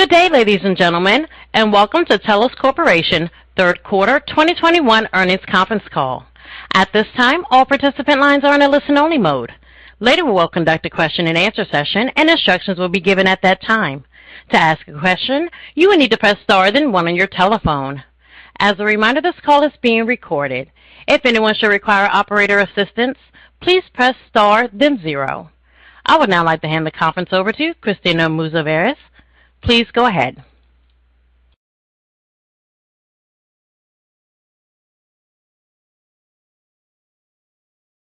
Good day, ladies and gentlemen, and welcome to Telos Corporation third quarter 2021 earnings conference call. At this time, all participant lines are in a listen-only mode. Later, we will conduct a question-and-answer session, and instructions will be given at that time. To ask a question, you will need to press star, then one on your telephone. As a reminder, this call is being recorded. If anyone should require operator assistance, please press star then zero. I would now like to hand the conference over to Christina Mouzavires. Please go ahead.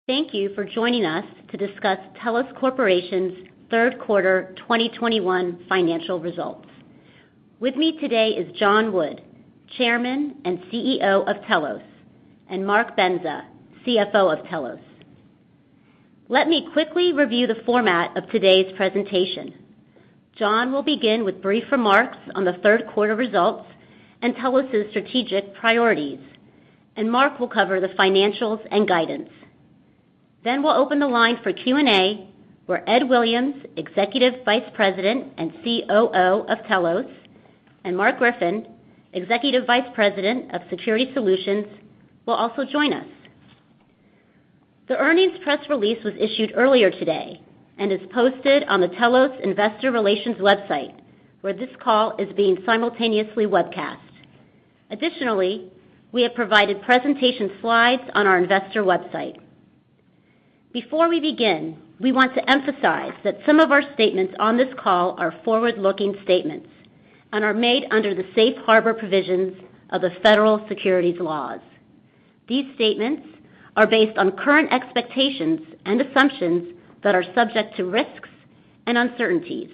Thank you for joining us to discuss Telos Corporation's third quarter 2021 financial results. With me today is John Wood, Chairman and CEO of Telos, and Mark Bendza, CFO of Telos. Let me quickly review the format of today's presentation. John will begin with brief remarks on the third quarter results and Telos' strategic priorities, and Mark will cover the financials and guidance. We'll open the line for Q&A, where Ed Williams, Executive Vice President and COO of Telos, and Mark Griffin, Executive Vice President of Security Solutions, will also join us. The earnings press release was issued earlier today and is posted on the Telos Investor Relations website, where this call is being simultaneously webcast. Additionally, we have provided presentation slides on our investor website. Before we begin, we want to emphasize that some of our statements on this call are forward-looking statements and are made under the safe harbor provisions of the Federal Securities laws. These statements are based on current expectations and assumptions that are subject to risks and uncertainties.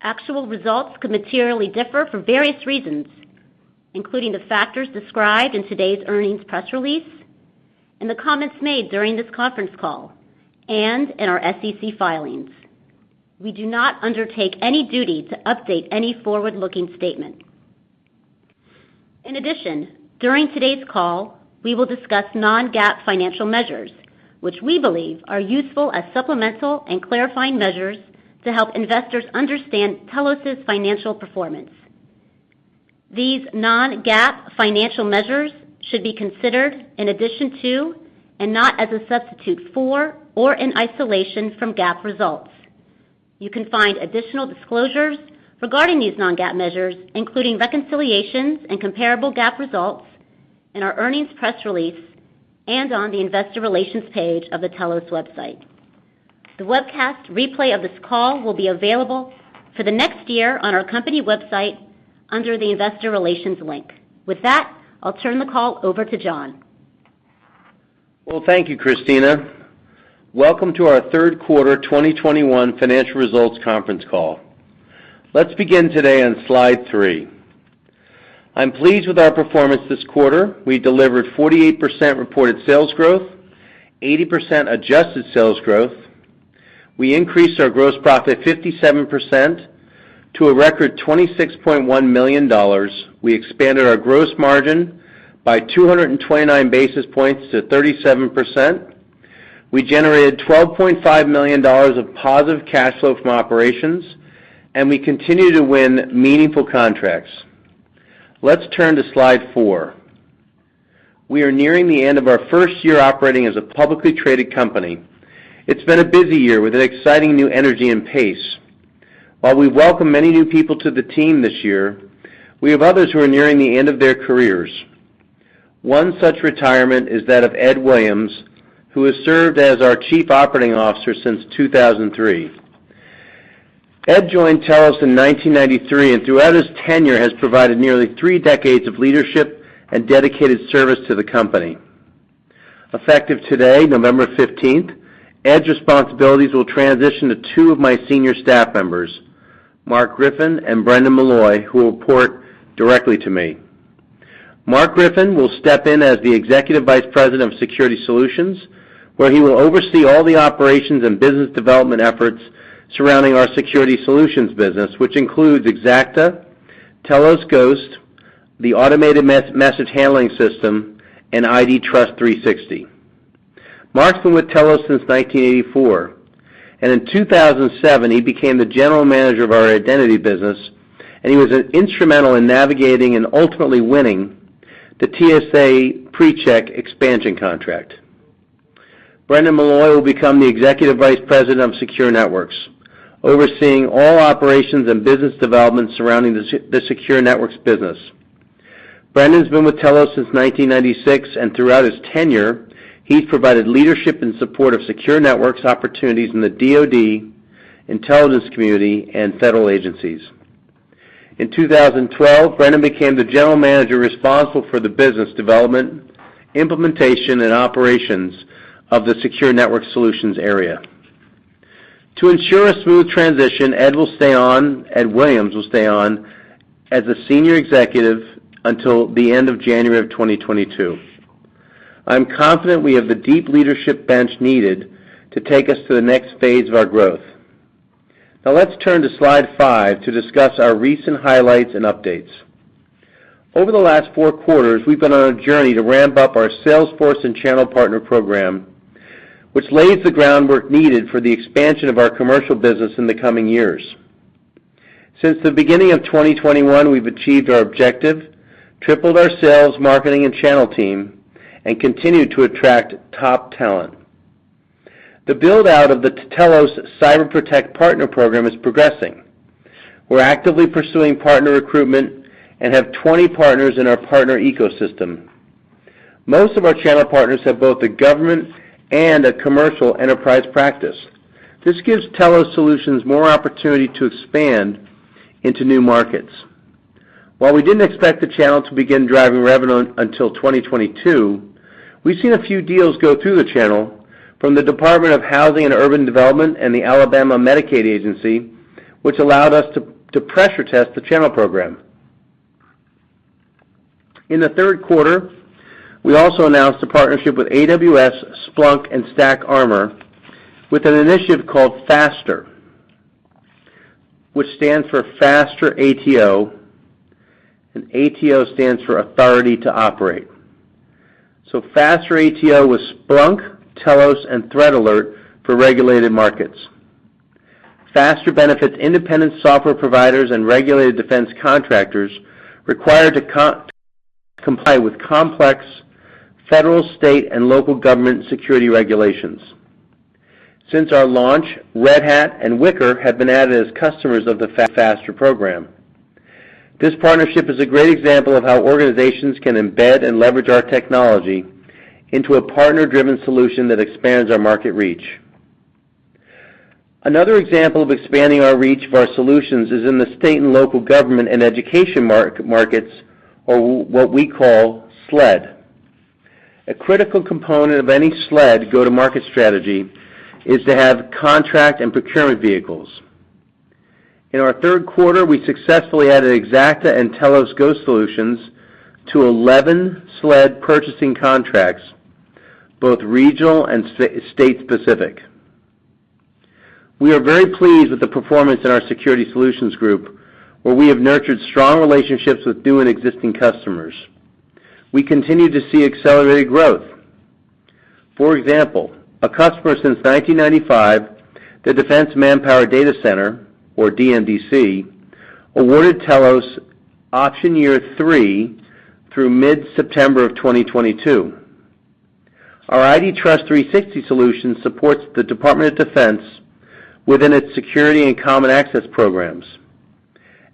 Actual results could materially differ for various reasons, including the factors described in today's earnings press release and the comments made during this conference call and in our SEC filings. We do not undertake any duty to update any forward-looking statement. In addition, during today's call, we will discuss non-GAAP financial measures, which we believe are useful as supplemental and clarifying measures to help investors understand Telos' financial performance. These non-GAAP financial measures should be considered in addition to and not as a substitute for or in isolation from GAAP results. You can find additional disclosures regarding these non-GAAP measures, including reconciliations and comparable GAAP results in our earnings press release and on the Investor Relations page of the Telos website. The webcast replay of this call will be available for the next year on our company website under the Investor Relations link. With that, I'll turn the call over to John. Well, thank you, Christina. Welcome to our third quarter 2021 financial results conference call. Let's begin today on slide three. I'm pleased with our performance this quarter. We delivered 48% reported sales growth, 80% adjusted sales growth. We increased our gross profit 57% to a record $26.1 million. We expanded our gross margin by 229 basis points to 37%. We generated $12.5 million of positive cash flow from operations, and we continue to win meaningful contracts. Let's turn to slide four. We are nearing the end of our first year operating as a publicly traded company. It's been a busy year with an exciting new energy and pace. While we welcome many new people to the team this year, we have others who are nearing the end of their careers. One such retirement is that of Ed Williams, who has served as our Chief Operating Officer since 2003. Ed joined Telos in 1993, and throughout his tenure has provided nearly three decades of leadership and dedicated service to the company. Effective today, November 15th, Ed's responsibilities will transition to two of my senior staff members, Mark Griffin and Brendan Malloy, who will report directly to me. Mark Griffin will step in as the Executive Vice President of Security Solutions, where he will oversee all the operations and business development efforts surrounding our Security Solutions business, which includes Xacta, Telos Ghost, the Automated Message Handling System, and IDTrust360. Mark's been with Telos since 1984, and in 2007, he became the General Manager of our Identity business, and he was instrumental in navigating and ultimately winning the TSA PreCheck expansion contract. Brendan Malloy will become the Executive Vice President of Secure Networks, overseeing all operations and business development surrounding the Secure Networks business. Brendan's been with Telos since 1996, and throughout his tenure, he's provided leadership in support of Secure Networks opportunities in the DoD, intelligence community, and federal agencies. In 2012, Brendan became the General Manager responsible for the business development, implementation, and operations of the Secure Network Solutions area. To ensure a smooth transition, Ed Williams will stay on as a senior executive until the end of January of 2022. I'm confident we have the deep leadership bench needed to take us to the next phase of our growth. Now let's turn to slide five to discuss our recent highlights and updates. Over the last four quarters, we've been on a journey to ramp up our sales force and channel partner program, which lays the groundwork needed for the expansion of our commercial business in the coming years. Since the beginning of 2021, we've achieved our objective, tripled our sales, marketing, and channel team, and continued to attract top talent. The build-out of the Telos CyberProtect Partner Program is progressing. We're actively pursuing partner recruitment and have 20 partners in our partner ecosystem. Most of our channel partners have both a government and a commercial enterprise practice. This gives Telos solutions more opportunity to expand into new markets. While we didn't expect the channel to begin driving revenue until 2022, we've seen a few deals go through the channel from the Department of Housing and Urban Development and the Alabama Medicaid Agency, which allowed us to pressure test the channel program. In the third quarter, we also announced a partnership with AWS, Splunk, and StackArmor with an initiative called FASTR, which stands for FASTR ATO, and ATO stands for Authority to Operate. FASTR ATO was Splunk, Telos, and ThreatAlert for regulated markets. FASTR benefits independent software providers and regulated defense contractors required to comply with complex federal, state, and local government security regulations. Since our launch, Red Hat and Wickr have been added as customers of the FASTR program. This partnership is a great example of how organizations can embed and leverage our technology into a partner-driven solution that expands our market reach. Another example of expanding our reach of our solutions is in the state and local government and education markets, or what we call SLED. A critical component of any SLED go-to-market strategy is to have contract and procurement vehicles. In our third quarter, we successfully added Xacta and Telos Ghost solutions to 11 SLED purchasing contracts, both regional and state specific. We are very pleased with the performance in our Security Solutions Group, where we have nurtured strong relationships with new and existing customers. We continue to see accelerated growth. For example, a customer since 1995, the Defense Manpower Data Center, or DMDC, awarded Telos option year three through mid-September of 2022. Our IDTrust360 solution supports the Department of Defense within its security and common access programs.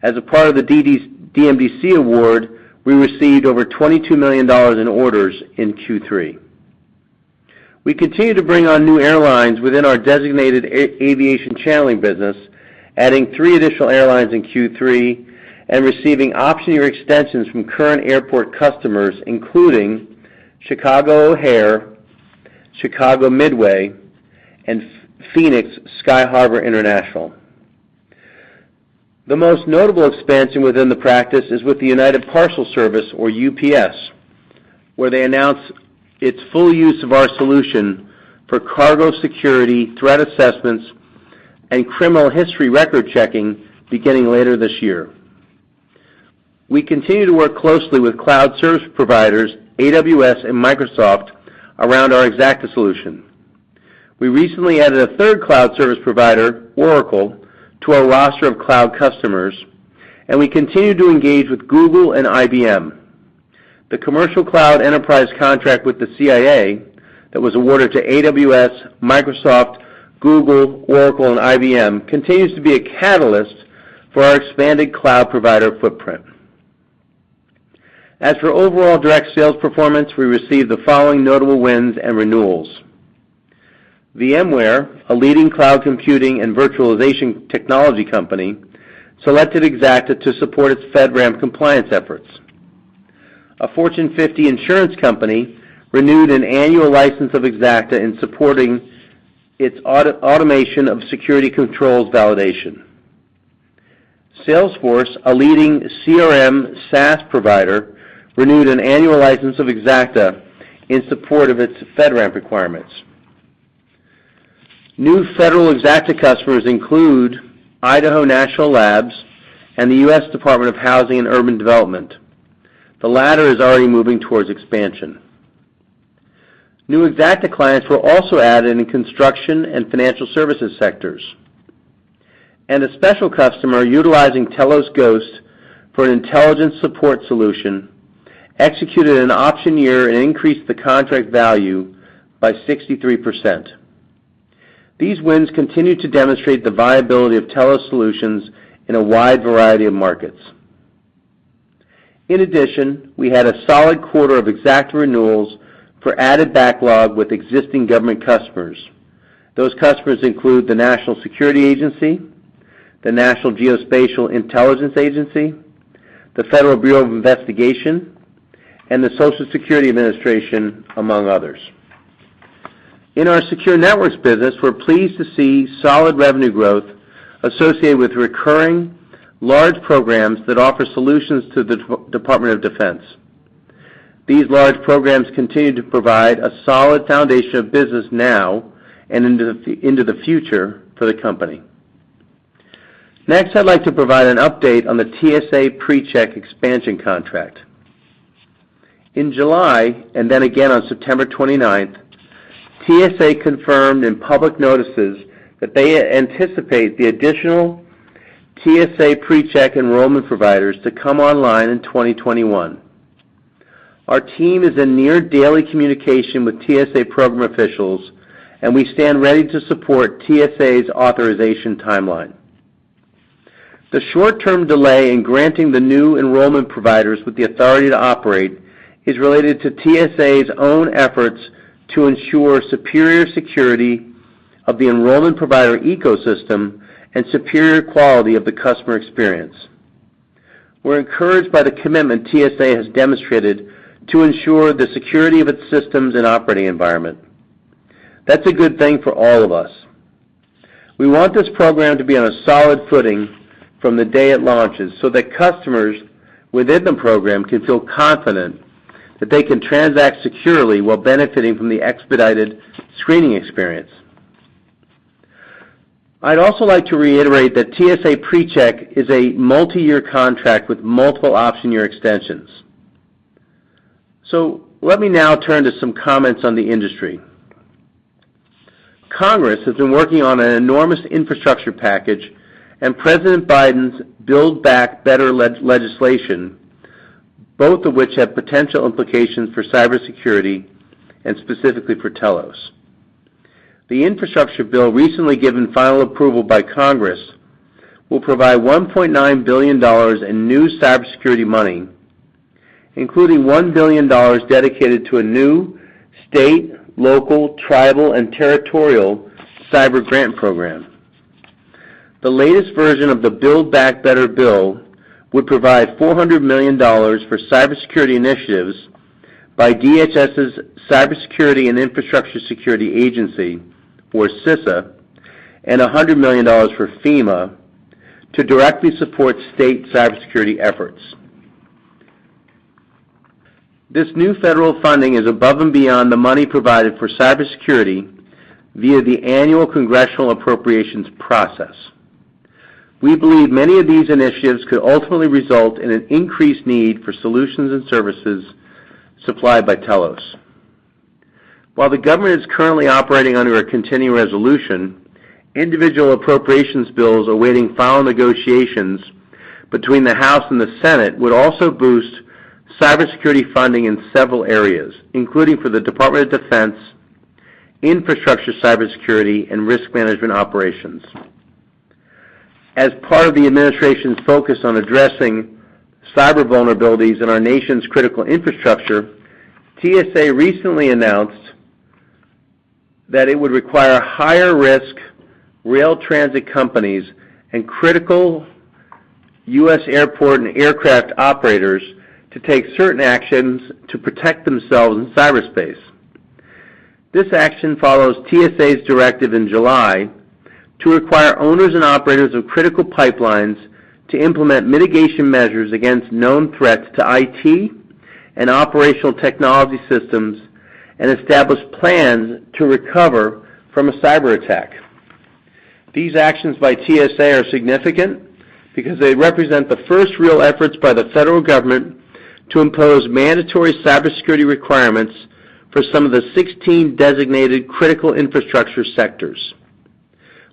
As a part of the DMDC award, we received over $22 million in orders in Q3. We continue to bring on new airlines within our designated aviation channel business, adding three additional airlines in Q3 and receiving option year extensions from current airport customers, including Chicago O'Hare, Chicago Midway, and Phoenix Sky Harbor International. The most notable expansion within the practice is with the United Parcel Service or UPS, where they announced its full use of our solution for cargo security, threat assessments, and criminal history record checking beginning later this year. We continue to work closely with cloud service providers AWS and Microsoft around our Xacta solution. We recently added a third cloud service provider, Oracle, to our roster of cloud customers, and we continue to engage with Google and IBM. The commercial cloud enterprise contract with the CIA that was awarded to AWS, Microsoft, Google, Oracle, and IBM continues to be a catalyst for our expanded cloud provider footprint. As for overall direct sales performance, we received the following notable wins and renewals. VMware, a leading cloud computing and virtualization technology company, selected Xacta to support its FedRAMP compliance efforts. A Fortune 50 insurance company renewed an annual license of Xacta in supporting its auto-automation of security controls validation. Salesforce, a leading CRM SaaS provider, renewed an annual license of Xacta in support of its FedRAMP requirements. New federal Xacta customers include Idaho National Laboratory and the U.S. Department of Housing and Urban Development. The latter is already moving towards expansion. New Xacta clients were also added in the construction and financial services sectors, and a special customer utilizing Telos Ghost for an intelligence support solution executed an option year and increased the contract value by 63%. These wins continue to demonstrate the viability of Telos solutions in a wide variety of markets. In addition, we had a solid quarter of Xacta renewals for added backlog with existing government customers. Those customers include the National Security Agency, the National Geospatial-Intelligence Agency, the Federal Bureau of Investigation, and the Social Security Administration, among others. In our Secure Networks business, we're pleased to see solid revenue growth associated with recurring large programs that offer solutions to the Department of Defense. These large programs continue to provide a solid foundation of business now and into the future for the company. Next, I'd like to provide an update on the TSA PreCheck expansion contract. In July, and then again on September 29th, TSA confirmed in public notices that they anticipate the additional TSA PreCheck enrollment providers to come online in 2021. Our team is in near daily communication with TSA program officials, and we stand ready to support TSA's authorization timeline. The short-term delay in granting the new enrollment providers with the authority to operate is related to TSA's own efforts to ensure superior security of the enrollment provider ecosystem and superior quality of the customer experience. We're encouraged by the commitment TSA has demonstrated to ensure the security of its systems and operating environment. That's a good thing for all of us. We want this program to be on a solid footing from the day it launches so that customers within the program can feel confident that they can transact securely while benefiting from the expedited screening experience. I'd also like to reiterate that TSA PreCheck is a multi-year contract with multiple option year extensions. Let me now turn to some comments on the industry. Congress has been working on an enormous infrastructure package and President Biden's Build Back Better legislation, both of which have potential implications for cybersecurity and specifically for Telos. The infrastructure bill recently given final approval by Congress will provide $1.9 billion in new cybersecurity money, including $1 billion dedicated to a new state, local, tribal, and territorial cyber grant program. The latest version of the Build Back Better bill would provide $400 million for cybersecurity initiatives by DHS's Cybersecurity and Infrastructure Security Agency, or CISA, and $100 million for FEMA to directly support state cybersecurity efforts. This new federal funding is above and beyond the money provided for cybersecurity via the annual congressional appropriations process. We believe many of these initiatives could ultimately result in an increased need for solutions and services supplied by Telos. While the government is currently operating under a continuing resolution, individual appropriations bills awaiting final negotiations between the House and the Senate would also boost cybersecurity funding in several areas, including for the Department of Defense, infrastructure cybersecurity, and risk management operations. As part of the administration's focus on addressing cyber vulnerabilities in our nation's critical infrastructure, TSA recently announced that it would require higher-risk rail transit companies and critical U.S. airport and aircraft operators to take certain actions to protect themselves in cyberspace. This action follows TSA's directive in July to require owners and operators of critical pipelines to implement mitigation measures against known threats to IT and operational technology systems and establish plans to recover from a cyberattack. These actions by TSA are significant because they represent the first real efforts by the federal government to impose mandatory cybersecurity requirements for some of the 16 designated critical infrastructure sectors.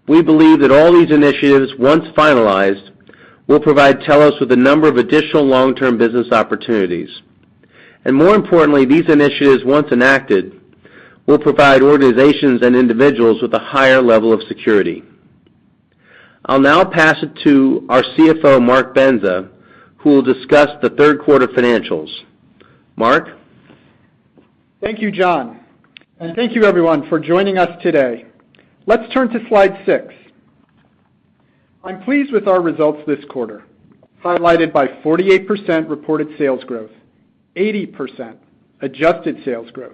We believe that all these initiatives, once finalized, will provide Telos with a number of additional long-term business opportunities. More importantly, these initiatives, once enacted, will provide organizations and individuals with a higher level of security. I'll now pass it to our CFO, Mark Bendza, who will discuss the third quarter financials. Mark? Thank you, John, and thank you everyone for joining us today. Let's turn to slide six. I'm pleased with our results this quarter, highlighted by 48% reported sales growth, 80% adjusted sales growth,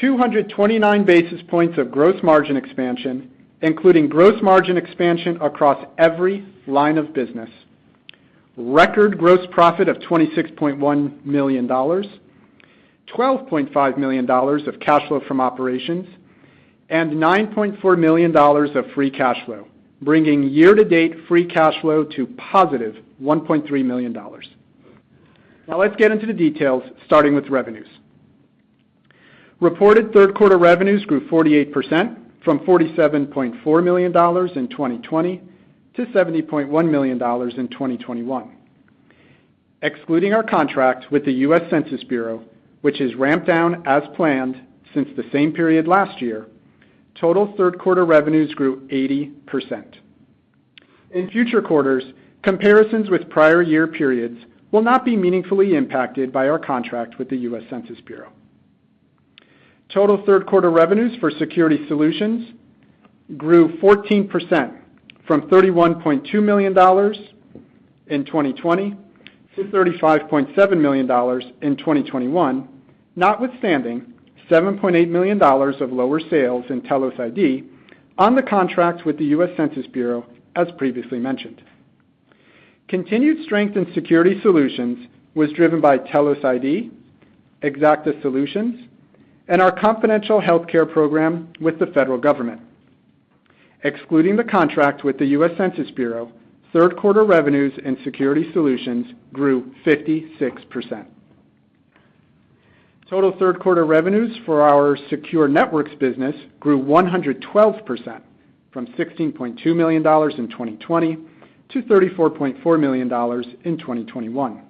229 basis points of gross margin expansion, including gross margin expansion across every line of business, record gross profit of $26.1 million, $12.5 million of cash flow from operations, and $9.4 million of free cash flow, bringing year-to-date free cash flow to positive $1.3 million. Now let's get into the details, starting with revenues. Reported third quarter revenues grew 48% from $47.4 million in 2020 to $70.1 million in 2021. Excluding our contract with the U.S. Census Bureau, which is ramped down as planned since the same period last year, total third quarter revenues grew 80%. In future quarters, comparisons with prior year periods will not be meaningfully impacted by our contract with the U.S. Census Bureau. Total third quarter revenues for Security Solutions grew 14% from $31.2 million in 2020 to $35.7 million in 2021, notwithstanding $7.8 million of lower sales in Telos ID on the contract with the U.S. Census Bureau, as previously mentioned. Continued strength in Security Solutions was driven by Telos ID, Xacta Solutions, and our confidential healthcare program with the federal government. Excluding the contract with the U.S. Census Bureau, third quarter revenues in Security Solutions grew 56%. Total third quarter revenues for our Secure Networks business grew 112% from $16.2 million in 2020 to $34.4 million in 2021.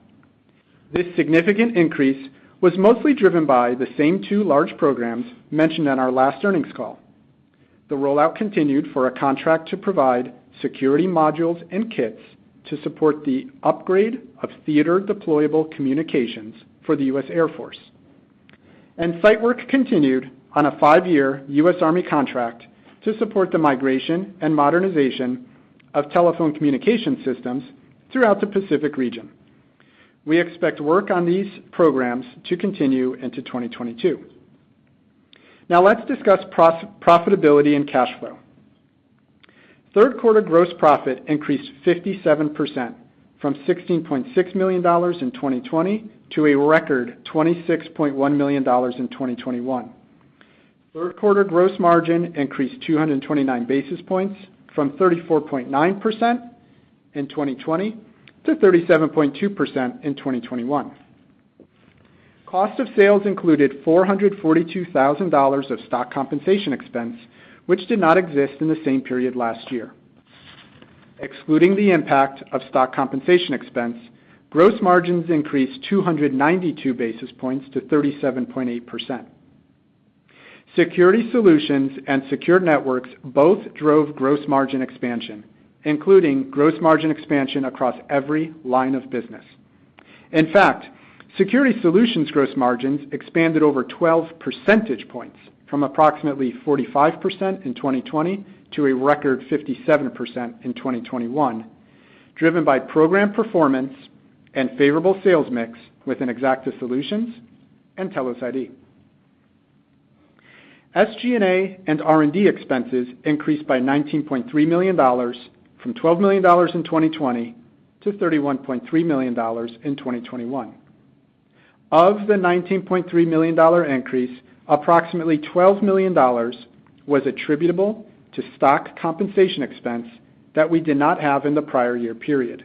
This significant increase was mostly driven by the same two large programs mentioned on our last earnings call. The rollout continued for a contract to provide security modules and kits to support the upgrade of theater deployable communications for the U.S. Air Force. Site work continued on a five-year U.S. Army contract to support the migration and modernization of telephone communication systems throughout the Pacific region. We expect work on these programs to continue into 2022. Now, let's discuss profitability and cash flow. Third quarter gross profit increased 57% from $16.6 million in 2020 to a record $26.1 million in 2021. Third quarter gross margin increased 229 basis points from 34.9% in 2020 to 37.2% in 2021. Cost of sales included $442,000 of stock compensation expense, which did not exist in the same period last year. Excluding the impact of stock compensation expense, gross margins increased 292 basis points to 37.8%. Security Solutions and Secure Networks both drove gross margin expansion, including gross margin expansion across every line of business. In fact, Security Solutions gross margins expanded over 12 percentage points from approximately 45% in 2020 to a record 57% in 2021, driven by program performance and favorable sales mix within Xacta Solutions and Telos ID. SG&A and R&D expenses increased by $19.3 million from $12 million in 2020 to $31.3 million in 2021. Of the $19.3 million increase, approximately $12 million was attributable to stock compensation expense that we did not have in the prior year period.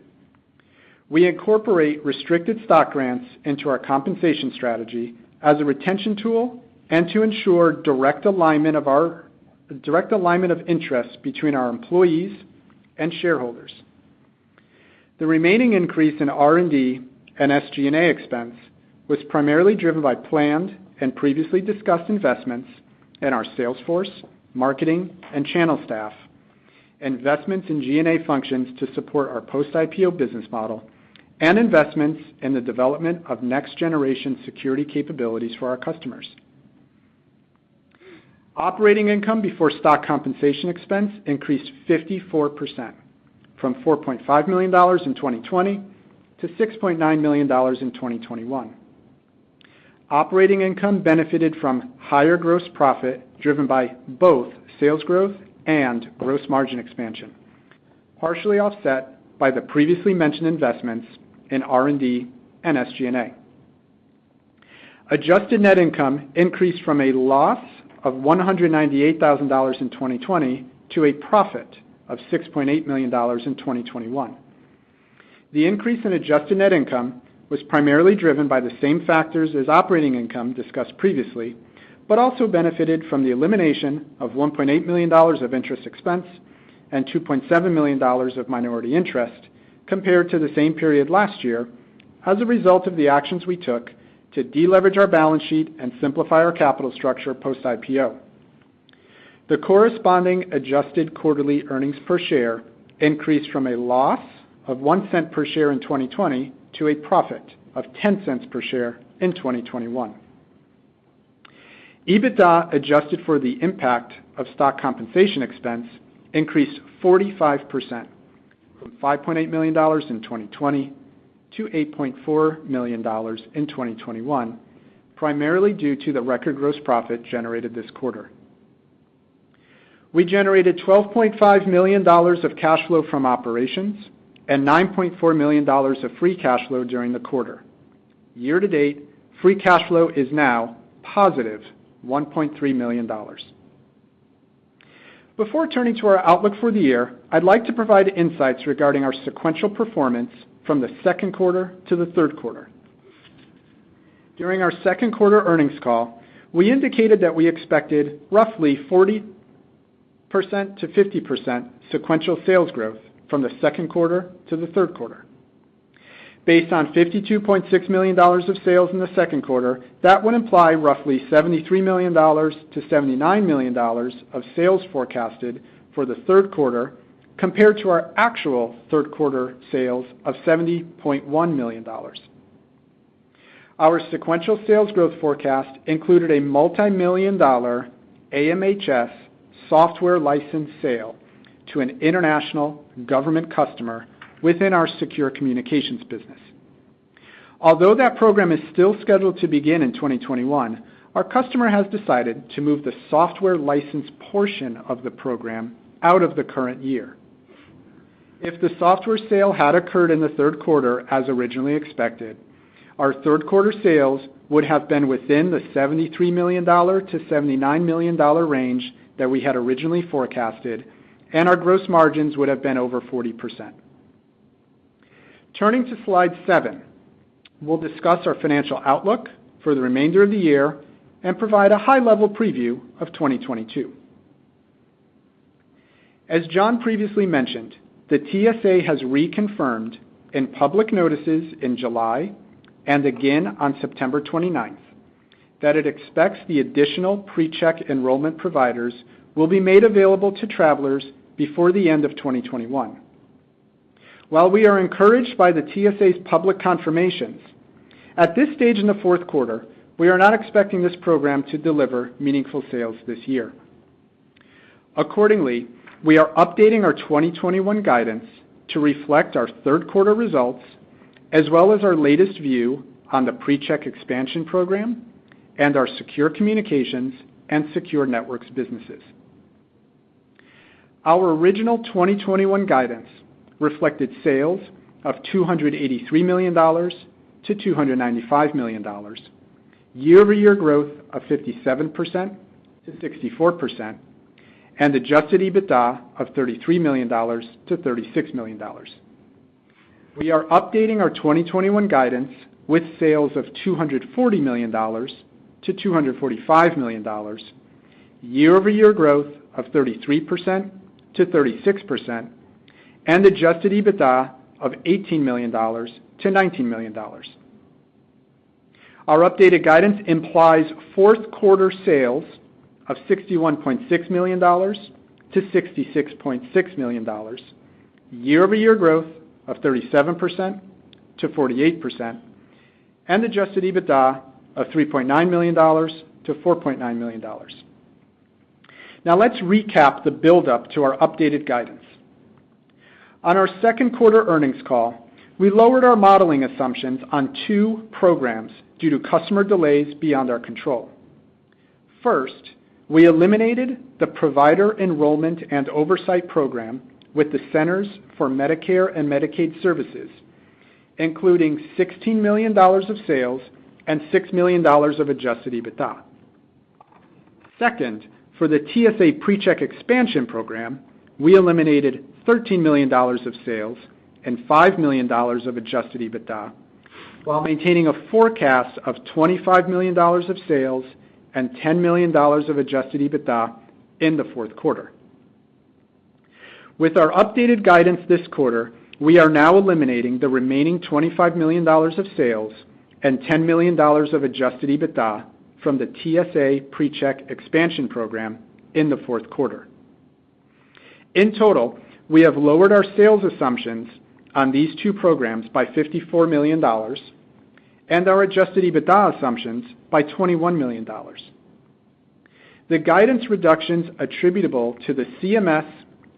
We incorporate restricted stock grants into our compensation strategy as a retention tool and to ensure direct alignment of interests between our employees and shareholders. The remaining increase in R&D and SG&A expense was primarily driven by planned and previously discussed investments in our sales force, marketing, and channel staff, investments in G&A functions to support our post-IPO business model, and investments in the development of next-generation security capabilities for our customers. Operating income before stock compensation expense increased 54% from $4.5 million in 2020 to $6.9 million in 2021. Operating income benefited from higher gross profit driven by both sales growth and gross margin expansion, partially offset by the previously mentioned investments in R&D and SG&A. Adjusted net income increased from a loss of $198,000 in 2020 to a profit of $6.8 million in 2021. The increase in adjusted net income was primarily driven by the same factors as operating income discussed previously, but also benefited from the elimination of $1.8 million of interest expense and $2.7 million of minority interest compared to the same period last year as a result of the actions we took to deleverage our balance sheet and simplify our capital structure post-IPO. The corresponding adjusted quarterly earnings per share increased from a loss of $0.01 per share in 2020 to a profit of $0.10 per share in 2021. EBITDA adjusted for the impact of stock compensation expense increased 45% from $5.8 million in 2020 to $8.4 million in 2021, primarily due to the record gross profit generated this quarter. We generated $12.5 million of cash flow from operations and $9.4 million of free cash flow during the quarter. Year-to-date, free cash flow is now positive $1.3 million. Before turning to our outlook for the year, I'd like to provide insights regarding our sequential performance from the second quarter to the third quarter. During our second quarter earnings call, we indicated that we expected roughly 40%-50% sequential sales growth from the second quarter to the third quarter. Based on $52.6 million of sales in the second quarter, that would imply roughly $73 million-$79 million of sales forecasted for the third quarter compared to our actual third quarter sales of $70.1 million. Our sequential sales growth forecast included a multi-million dollar AMHS software license sale to an international government customer within our secure communications business. Although that program is still scheduled to begin in 2021, our customer has decided to move the software license portion of the program out of the current year. If the software sale had occurred in the third quarter as originally expected, our third quarter sales would have been within the $73 million-$79 million range that we had originally forecasted, and our gross margins would have been over 40%. Turning to slide seven, we'll discuss our financial outlook for the remainder of the year and provide a high-level preview of 2022. As John previously mentioned, the TSA has reconfirmed in public notices in July and again on September 29th that it expects the additional PreCheck enrollment providers will be made available to travelers before the end of 2021. While we are encouraged by the TSA's public confirmations, at this stage in the fourth quarter, we are not expecting this program to deliver meaningful sales this year. Accordingly, we are updating our 2021 guidance to reflect our third quarter results, as well as our latest view on the PreCheck expansion program and our Secure Communications and Secure Networks businesses. Our original 2021 guidance reflected sales of $283 million-$295 million, year-over-year growth of 57%-64%, and adjusted EBITDA of $33 million-$36 million. We are updating our 2021 guidance with sales of $240 million-$245 million, year-over-year growth of 33%-36%, and adjusted EBITDA of $18 million-$19 million. Our updated guidance implies fourth quarter sales of $61.6 million-$66.6 million, year-over-year growth of 37%-48%, and adjusted EBITDA of $3.9 million-$4.9 million. Now let's recap the buildup to our updated guidance. On our second quarter earnings call, we lowered our modeling assumptions on two programs due to customer delays beyond our control. First, we eliminated the provider enrollment and oversight program with the Centers for Medicare & Medicaid Services, including $16 million of sales and $6 million of adjusted EBITDA. Second, for the TSA PreCheck expansion program, we eliminated $13 million of sales and $5 million of adjusted EBITDA, while maintaining a forecast of $25 million of sales and $10 million of adjusted EBITDA in the fourth quarter. With our updated guidance this quarter, we are now eliminating the remaining $25 million of sales and $10 million of adjusted EBITDA from the TSA PreCheck expansion program in the fourth quarter. In total, we have lowered our sales assumptions on these two programs by $54 million and our adjusted EBITDA assumptions by $21 million. The guidance reductions attributable to the CMS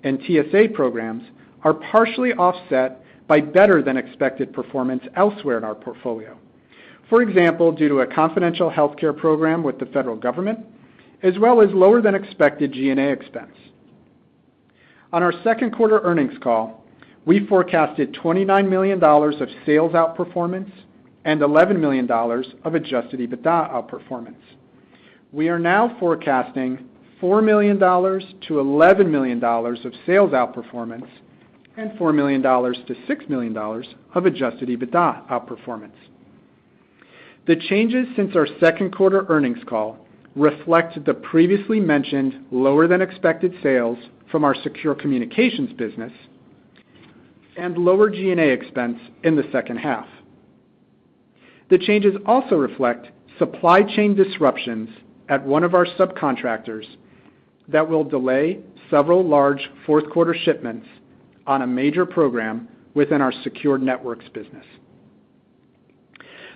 and TSA programs are partially offset by better than expected performance elsewhere in our portfolio, for example, due to a confidential healthcare program with the federal government, as well as lower than expected G&A expense. On our second quarter earnings call, we forecasted $29 million of sales outperformance and $11 million of adjusted EBITDA outperformance. We are now forecasting $4 million-$11 million of sales outperformance and $4 million-$6 million of adjusted EBITDA outperformance. The changes since our second quarter earnings call reflect the previously mentioned lower than expected sales from our secure communications business and lower G&A expense in the second half. The changes also reflect supply chain disruptions at one of our subcontractors that will delay several large fourth quarter shipments on a major program within our Secure Networks business.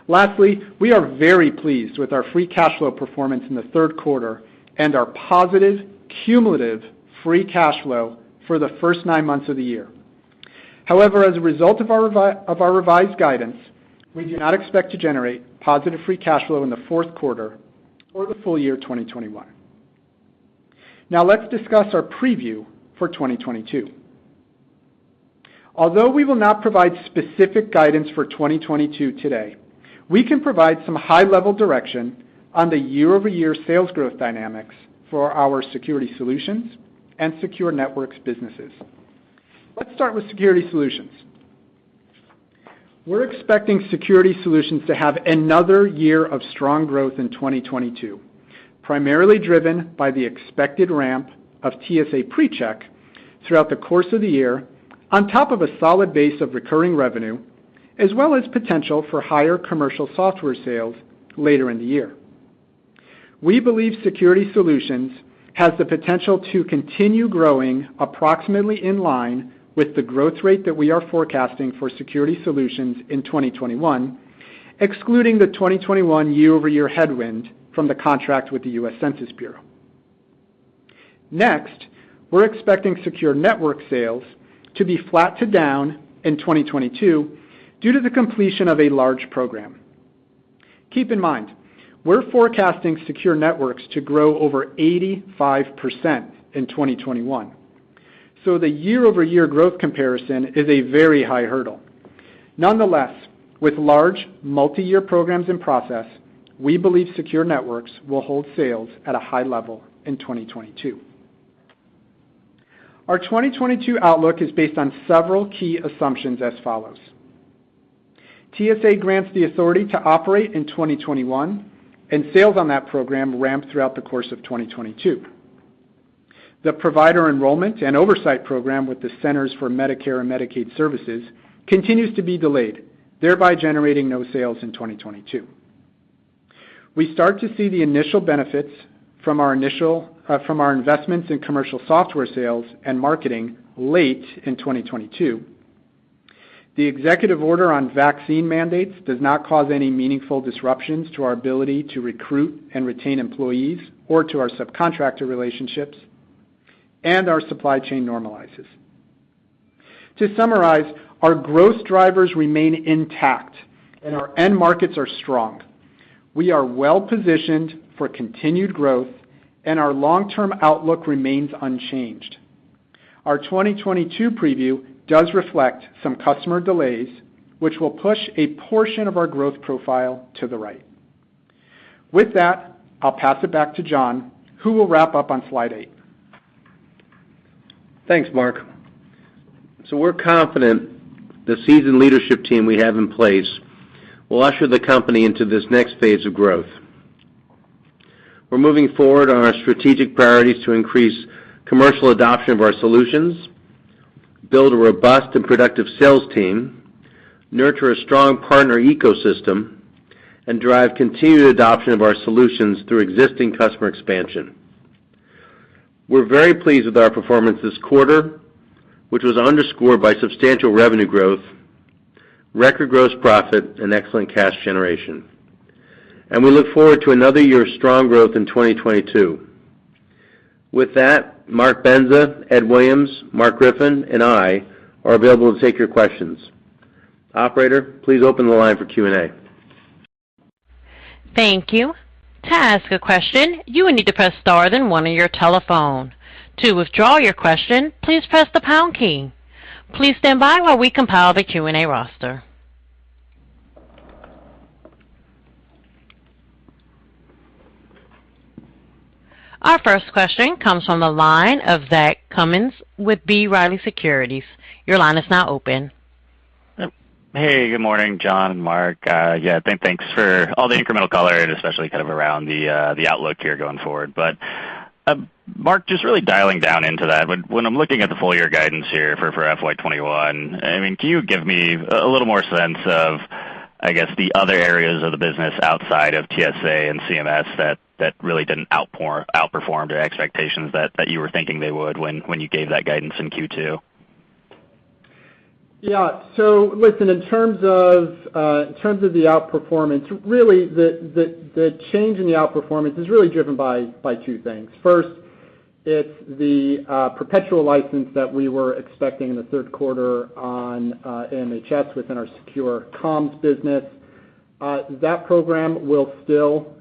Lastly, we are very pleased with our free cash flow performance in the third quarter and our positive cumulative free cash flow for the first nine months of the year. However, as a result of our revised guidance, we do not expect to generate positive free cash flow in the fourth quarter or the full year 2021. Now let's discuss our preview for 2022. Although we will not provide specific guidance for 2022 today, we can provide some high-level direction on the year-over-year sales growth dynamics for our Security Solutions and Secure Networks businesses. Let's start with Security Solutions. We're expecting Security Solutions to have another year of strong growth in 2022, primarily driven by the expected ramp of TSA PreCheck throughout the course of the year, on top of a solid base of recurring revenue, as well as potential for higher commercial software sales later in the year. We believe Security Solutions has the potential to continue growing approximately in line with the growth rate that we are forecasting for Security Solutions in 2021, excluding the 2021 year-over-year headwind from the contract with the U.S. Census Bureau. Next, we're expecting Secure Networks sales to be flat to down in 2022 due to the completion of a large program. Keep in mind, we're forecasting Secure Networks to grow over 85% in 2021. The year-over-year growth comparison is a very high hurdle. Nonetheless, with large multi-year programs in process, we believe Secure Networks will hold sales at a high level in 2022. Our 2022 outlook is based on several key assumptions as follows. TSA grants the authority to operate in 2021, and sales on that program ramp throughout the course of 2022. The provider enrollment and oversight program with the Centers for Medicare & Medicaid Services continues to be delayed, thereby generating no sales in 2022. We start to see the initial benefits from our investments in commercial software sales and marketing late in 2022. The executive order on vaccine mandates does not cause any meaningful disruptions to our ability to recruit and retain employees or to our subcontractor relationships, and our supply chain normalizes. To summarize, our growth drivers remain intact and our end markets are strong. We are well-positioned for continued growth, and our long-term outlook remains unchanged. Our 2022 preview does reflect some customer delays, which will push a portion of our growth profile to the right. With that, I'll pass it back to John, who will wrap up on slide eight. Thanks, Mark. We're confident the seasoned leadership team we have in place will usher the company into this next phase of growth. We're moving forward on our strategic priorities to increase commercial adoption of our solutions, build a robust and productive sales team, nurture a strong partner ecosystem, and drive continued adoption of our solutions through existing customer expansion. We're very pleased with our performance this quarter, which was underscored by substantial revenue growth, record gross profit, and excellent cash generation. We look forward to another year of strong growth in 2022. With that, Mark Bendza, Ed Williams, Mark Griffin, and I are available to take your questions. Operator, please open the line for Q&A. Thank you. To ask a question, you will need to press star then one on your telephone. To withdraw your question, please press the pound key. Please stand by while we compile the Q&A roster. Our first question comes from the line of Zach Cummins with B. Riley Securities. Your line is now open. Hey, good morning, John and Mark. I think thanks for all the incremental color, and especially kind of around the outlook here going forward. Mark, just really dialing down into that, when I'm looking at the full year guidance here for FY 2021, I mean, can you give me a little more sense of, I guess the other areas of the business outside of TSA and CMS that really didn't outperform to expectations that you were thinking they would when you gave that guidance in Q2? Yeah. Listen, in terms of the outperformance, really, the change in the outperformance is really driven by two things. First, it's the perpetual license that we were expecting in the third quarter on AMHS within our secure comms business. That program will still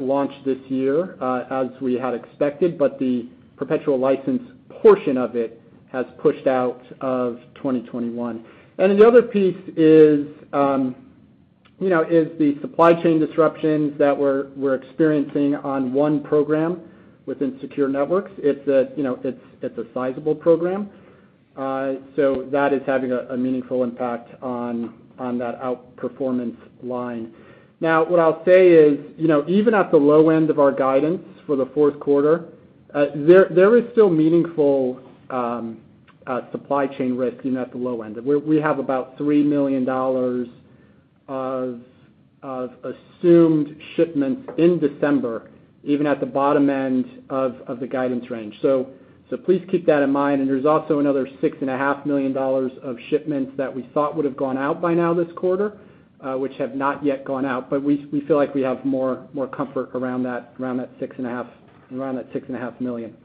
launch this year as we had expected, but the perpetual license portion of it has pushed out of 2021. The other piece is you know the supply chain disruptions that we're experiencing on one program within Secure Networks. It's a sizable program. So that is having a meaningful impact on that outperformance line. Now, what I'll say is, you know, even at the low end of our guidance for the fourth quarter, there is still meaningful supply chain risk, you know, at the low end. We have about $3 million of assumed shipments in December, even at the bottom end of the guidance range. So please keep that in mind. And there's also another $6.5 million of shipments that we thought would have gone out by now this quarter, which have not yet gone out. But we feel like we have more comfort around that $6.5 million.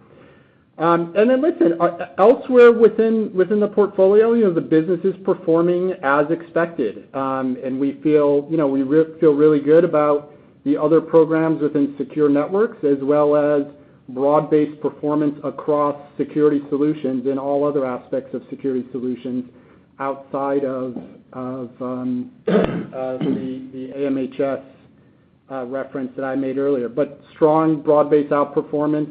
And then elsewhere within the portfolio, you know, the business is performing as expected. We feel, you know, really good about the other programs within Secure Networks, as well as broad-based performance across Security Solutions and all other aspects of Security Solutions outside of the AMHS reference that I made earlier. Strong broad-based performance,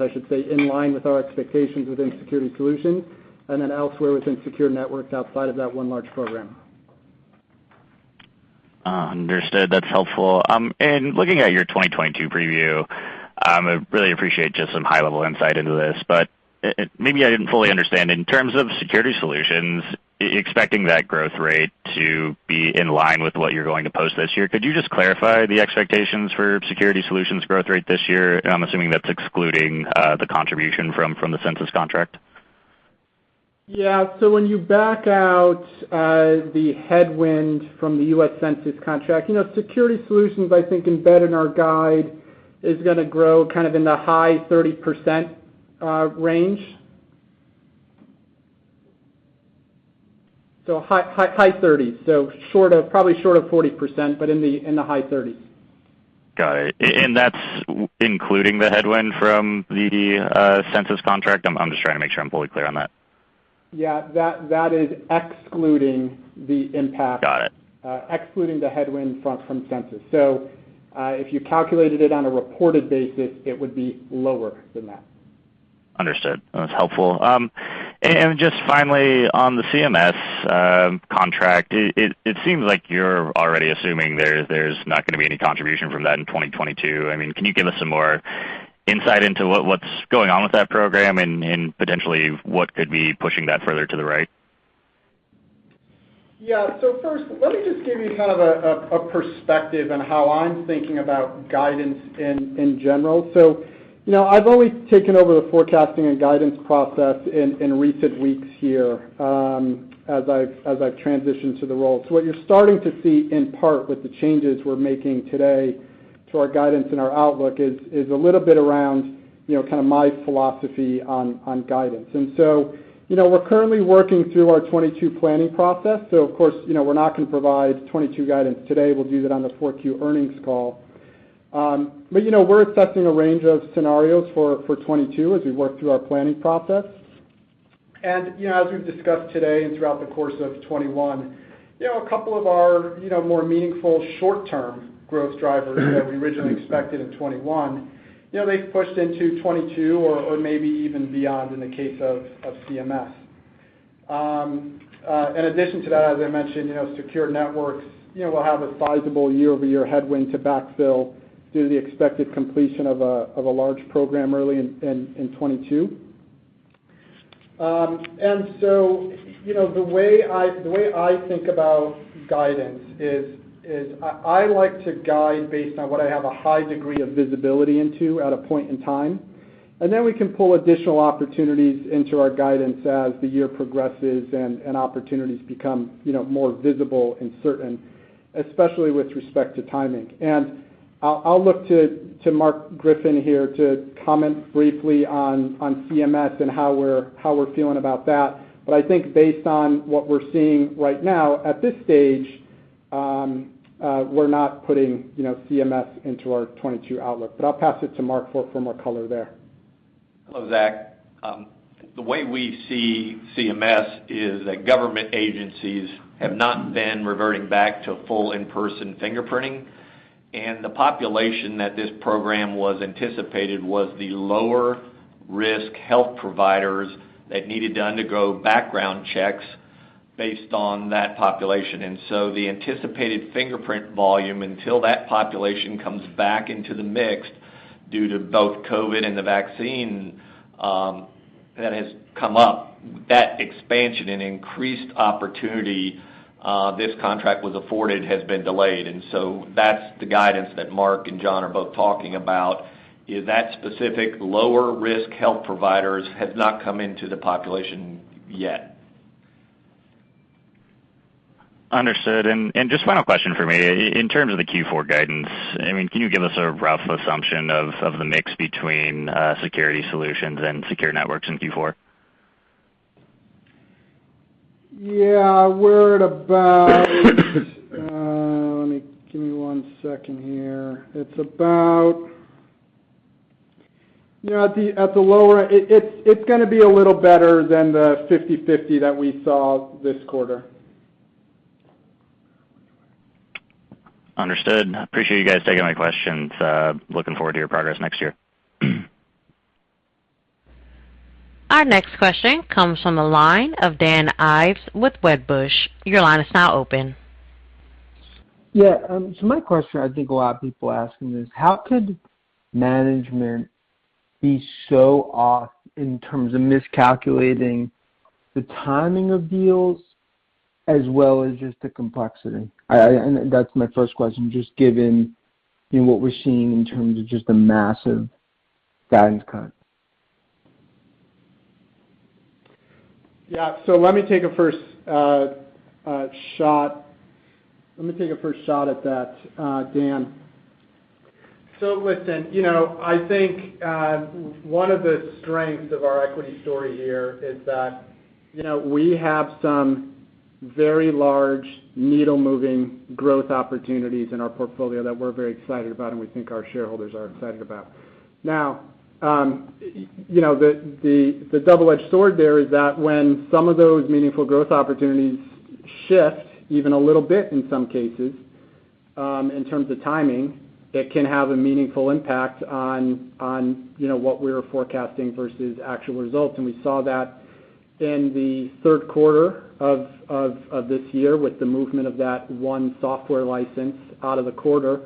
I should say, in line with our expectations within Security Solutions, and then elsewhere within Secure Networks outside of that one large program. Understood. That's helpful. Looking at your 2022 preview, I really appreciate just some high-level insight into this. Maybe I didn't fully understand. In terms of Security Solutions, expecting that growth rate to be in line with what you're going to post this year, could you just clarify the expectations for Security Solutions growth rate this year? I'm assuming that's excluding the contribution from the Census contract. Yeah. When you back out the headwind from the U.S. Census contract, you know, Security Solutions, I think, embedded in our guide is gonna grow kind of in the high 30% range. High 30%. Probably short of 40%, but in the high 30%. Got it. That's including the headwind from the Census contract? I'm just trying to make sure I'm fully clear on that. Yeah, that is excluding the impact. Got it. Excluding the headwind from Census. If you calculated it on a reported basis, it would be lower than that. Understood. That was helpful. And just finally on the CMS contract, it seems like you're already assuming there's not gonna be any contribution from that in 2022. I mean, can you give us some more insight into what's going on with that program and potentially what could be pushing that further to the right? Yeah. First, let me just give you kind of a perspective on how I'm thinking about guidance in general. You know, I've only taken over the forecasting and guidance process in recent weeks here, as I've transitioned to the role. What you're starting to see in part with the changes we're making today to our guidance and our outlook is a little bit around, you know, kind of my philosophy on guidance. You know, we're currently working through our 2022 planning process, so of course, you know, we're not gonna provide 2022 guidance today. We'll do that on the Q4 earnings call. You know, we're accepting a range of scenarios for 2022 as we work through our planning process. You know, as we've discussed today and throughout the course of 2021, you know, a couple of our, you know, more meaningful short-term growth drivers that we originally expected in 2021, you know, they've pushed into 2022 or maybe even beyond in the case of CMS. In addition to that, as I mentioned, you know, Secure Networks, you know, will have a sizable year-over-year headwind to backfill due to the expected completion of a large program early in 2022. You know, the way I think about guidance is I like to guide based on what I have a high degree of visibility into at a point in time, and then we can pull additional opportunities into our guidance as the year progresses and opportunities become, you know, more visible and certain, especially with respect to timing. I'll look to Mark Griffin here to comment briefly on CMS and how we're feeling about that. I think based on what we're seeing right now, at this stage, we're not putting, you know, CMS into our 2022 outlook. I'll pass it to Mark for more color there. Hello, Zach. The way we see CMS is that government agencies have not been reverting back to full in-person fingerprinting, and the population that this program was anticipated was the lower risk health providers that needed to undergo background checks based on that population. The anticipated fingerprint volume until that population comes back into the mix due to both COVID and the vaccine that has come up, that expansion and increased opportunity this contract was afforded has been delayed. That's the guidance that Mark and John are both talking about, is that specific lower risk health providers have not come into the population yet. Understood. Just final question for me. In terms of the Q4 guidance, I mean, can you give us a rough assumption of the mix between Security Solutions and Secure Networks in Q4? Yeah. Give me one second here. You know, at the lower, it's gonna be a little better than the 50/50 that we saw this quarter. Understood. Appreciate you guys taking my questions. Looking forward to your progress next year. Our next question comes from the line of Dan Ives with Wedbush. Your line is now open. Yeah. So my question I think a lot of people are asking is, how could management be so off in terms of miscalculating the timing of deals as well as just the complexity? That's my first question, just given, you know, what we're seeing in terms of just the massive guidance cut. Yeah. Let me take a first shot at that, Dan. Listen, you know, I think one of the strengths of our equity story here is that, you know, we have some very large needle-moving growth opportunities in our portfolio that we're very excited about and we think our shareholders are excited about. Now, you know, the double-edged sword there is that when some of those meaningful growth opportunities shift even a little bit in some cases, in terms of timing, it can have a meaningful impact on, you know, what we're forecasting versus actual results. We saw that in the third quarter of this year with the movement of that one software license out of the quarter.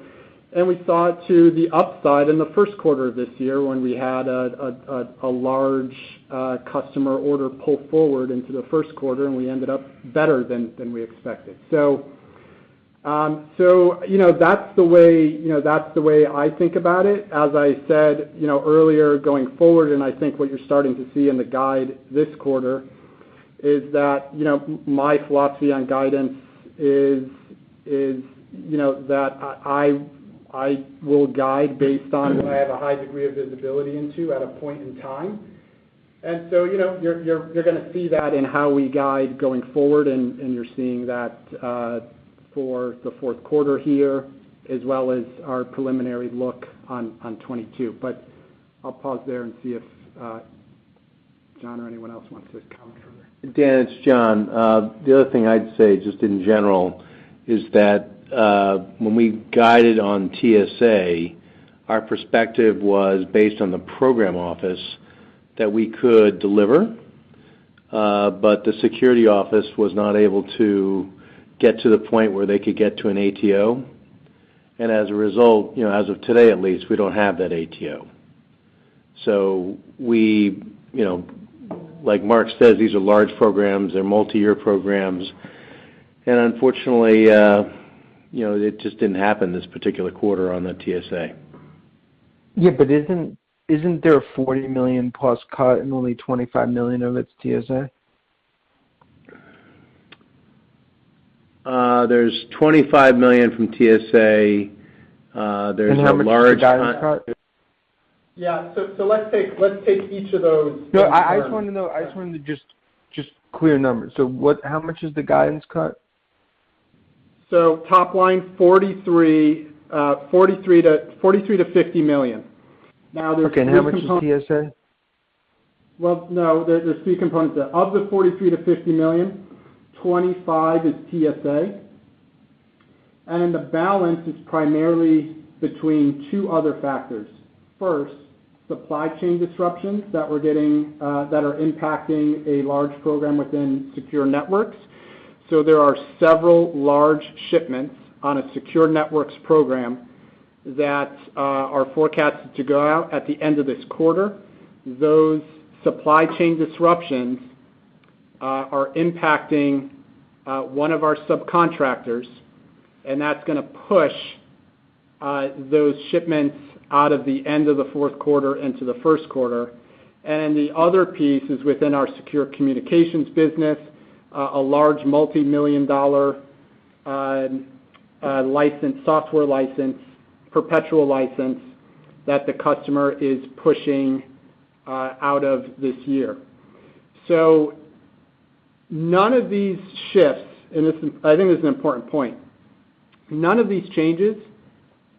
We saw it to the upside in the first quarter of this year when we had a large customer order pull forward into the first quarter, and we ended up better than we expected. You know, that's the way I think about it. As I said, you know, earlier going forward, and I think what you're starting to see in the guide this quarter is that, you know, my philosophy on guidance is, you know, that I will guide based on if I have a high degree of visibility into at a point in time. You know, you're gonna see that in how we guide going forward, and you're seeing that for the fourth quarter here, as well as our preliminary look on 2022. I'll pause there and see if John or anyone else wants to counter. Dan, it's John. The other thing I'd say just in general is that, when we guided on TSA, our perspective was based on the program office that we could deliver, but the security office was not able to get to the point where they could get to an ATO. As a result, you know, as of today, at least, we don't have that ATO. We, you know, like Mark says, these are large programs, they're multiyear programs. Unfortunately, you know, it just didn't happen this particular quarter on the TSA. Yeah, isn't there a $40+ million cut and only $25 million of it's TSA? There's $25 million from TSA. There's a large- How much is the guidance cut? Yeah. Let's take each of those in turn. No, I just wanted to know just clear numbers. How much is the guidance cut? Top line $43 million-$50 million. Now there's three components- Okay. How much is TSA? Well, no. There's three components there. Of the $43 million-$50 million, $25 million is TSA, and the balance is primarily between two other factors. First, supply chain disruptions that we're getting that are impacting a large program within Secure Networks. There are several large shipments on a Secure Networks program that are forecasted to go out at the end of this quarter. Those supply chain disruptions are impacting one of our subcontractors, and that's gonna push those shipments out of the end of the fourth quarter into the first quarter. The other piece is within our secure communications business, a large multi-million-dollar software license, perpetual license that the customer is pushing out of this year. None of these shifts, and this is an important point. I think this is an important point. None of these changes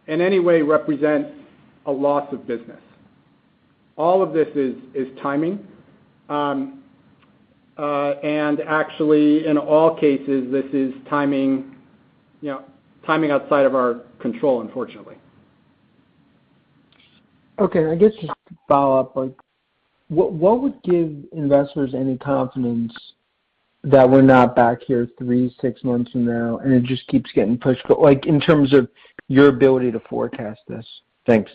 in any way represents a loss of business. All of this is timing. Actually, in all cases, this is timing, you know, timing outside of our control, unfortunately. Okay. I guess just to follow up, like what would give investors any confidence that we're not back here three, six months from now, and it just keeps getting pushed, but like, in terms of your ability to forecast this? Thanks.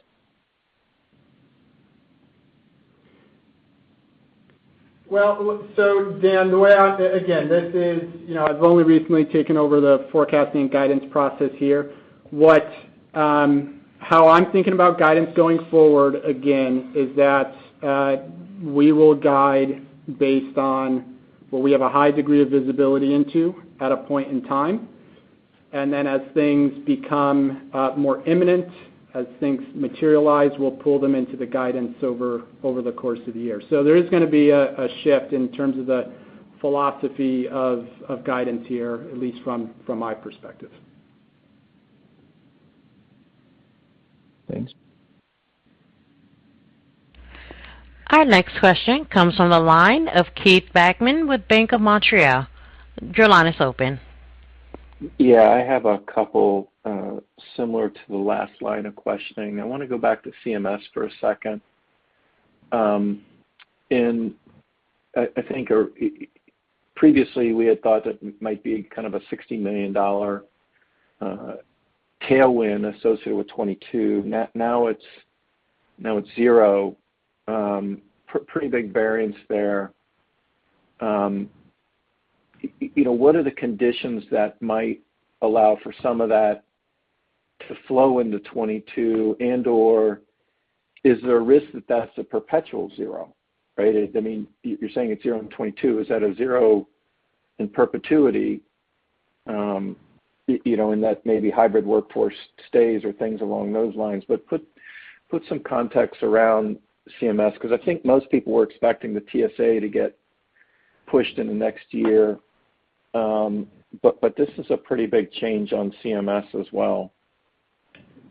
Well, Dan, the way I again, this is, you know, I've only recently taken over the forecasting guidance process here. How I'm thinking about guidance going forward, again, is that we will guide based on what we have a high degree of visibility into at a point in time. Then as things become more imminent, as things materialize, we'll pull them into the guidance over the course of the year. There is gonna be a shift in terms of the philosophy of guidance here, at least from my perspective. Thanks. Our next question comes from the line of Keith Bachman with Bank of Montreal. Your line is open. Yeah. I have a couple similar to the last line of questioning. I wanna go back to CMS for a second. I think previously, we had thought that might be kind of a $60 million tailwind associated with 2022. Now it's zero. Pretty big variance there. You know, what are the conditions that might allow for some of that to flow into 2022 and/or is there a risk that that's a perpetual zero, right? I mean, you're saying it's zero in 2022. Is that a zero in perpetuity, you know, in that maybe hybrid workforce stays or things along those lines? Put some context around CMS 'cause I think most people were expecting the TSA to get pushed into next year. This is a pretty big change on CMS as well.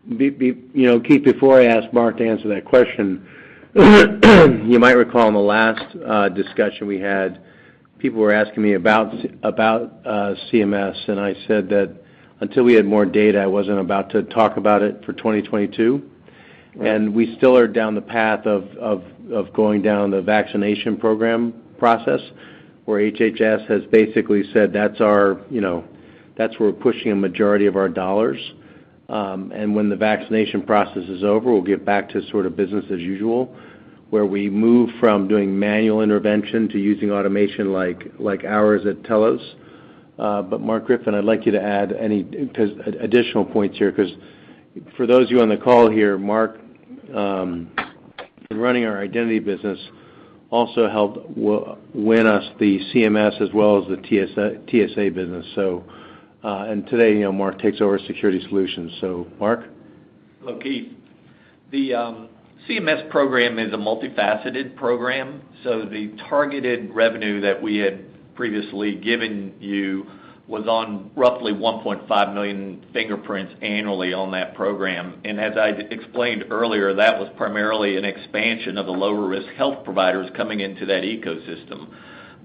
You know, Keith, before I ask Mark to answer that question, you might recall in the last discussion we had, people were asking me about CMS, and I said that until we had more data, I wasn't about to talk about it for 2022. We still are down the path of going down the vaccination program process, where HHS has basically said, "That's our, you know, that's where we're pushing a majority of our dollars." When the vaccination process is over, we'll get back to sort of business as usual, where we move from doing manual intervention to using automation like ours at Telos. Mark Griffin, I'd like you to add any additional points here, 'cause for those of you on the call here, Mark, running our identity business also helped win us the CMS as well as the TSA business. Today, you know, Mark takes over Security Solutions. Mark. Hello, Keith. The CMS program is a multifaceted program. The targeted revenue that we had previously given you was on roughly 1.5 million fingerprints annually on that program. As I explained earlier, that was primarily an expansion of the lower risk health providers coming into that ecosystem.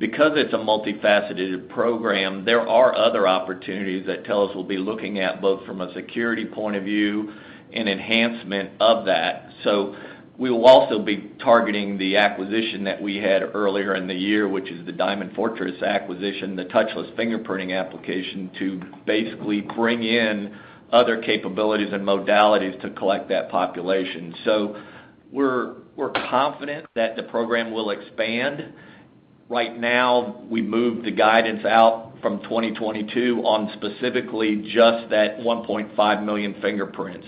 It's a multifaceted program, there are other opportunities that Telos will be looking at, both from a security point of view and enhancement of that. We will also be targeting the acquisition that we had earlier in the year, which is the Diamond Fortress acquisition, the touchless fingerprinting application, to basically bring in other capabilities and modalities to collect that population. We're confident that the program will expand. Right now, we moved the guidance out from 2022 on specifically just that 1.5 million fingerprints.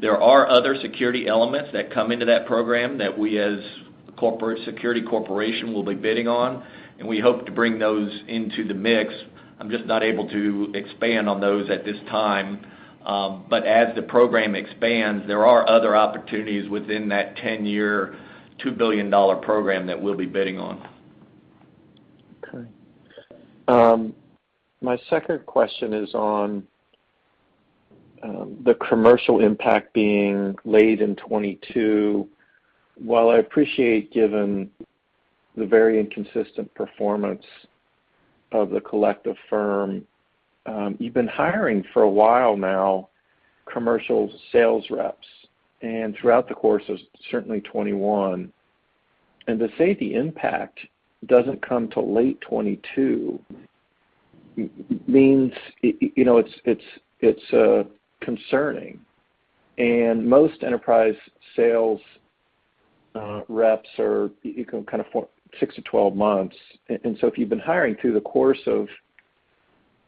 There are other security elements that come into that program that we as a corporate security corporation will be bidding on, and we hope to bring those into the mix. I'm just not able to expand on those at this time. As the program expands, there are other opportunities within that 10-year, $2 billion program that we'll be bidding on. Okay. My second question is on the commercial impact being laid in 2022. While I appreciate, given the very inconsistent performance of the collective firm, you've been hiring for a while now commercial sales reps, and throughout the course of certainly 2021. To say the impact doesn't come till late 2022 means, you know, it's concerning. Most enterprise sales reps are kind of six to 12 months. If you've been hiring through the course of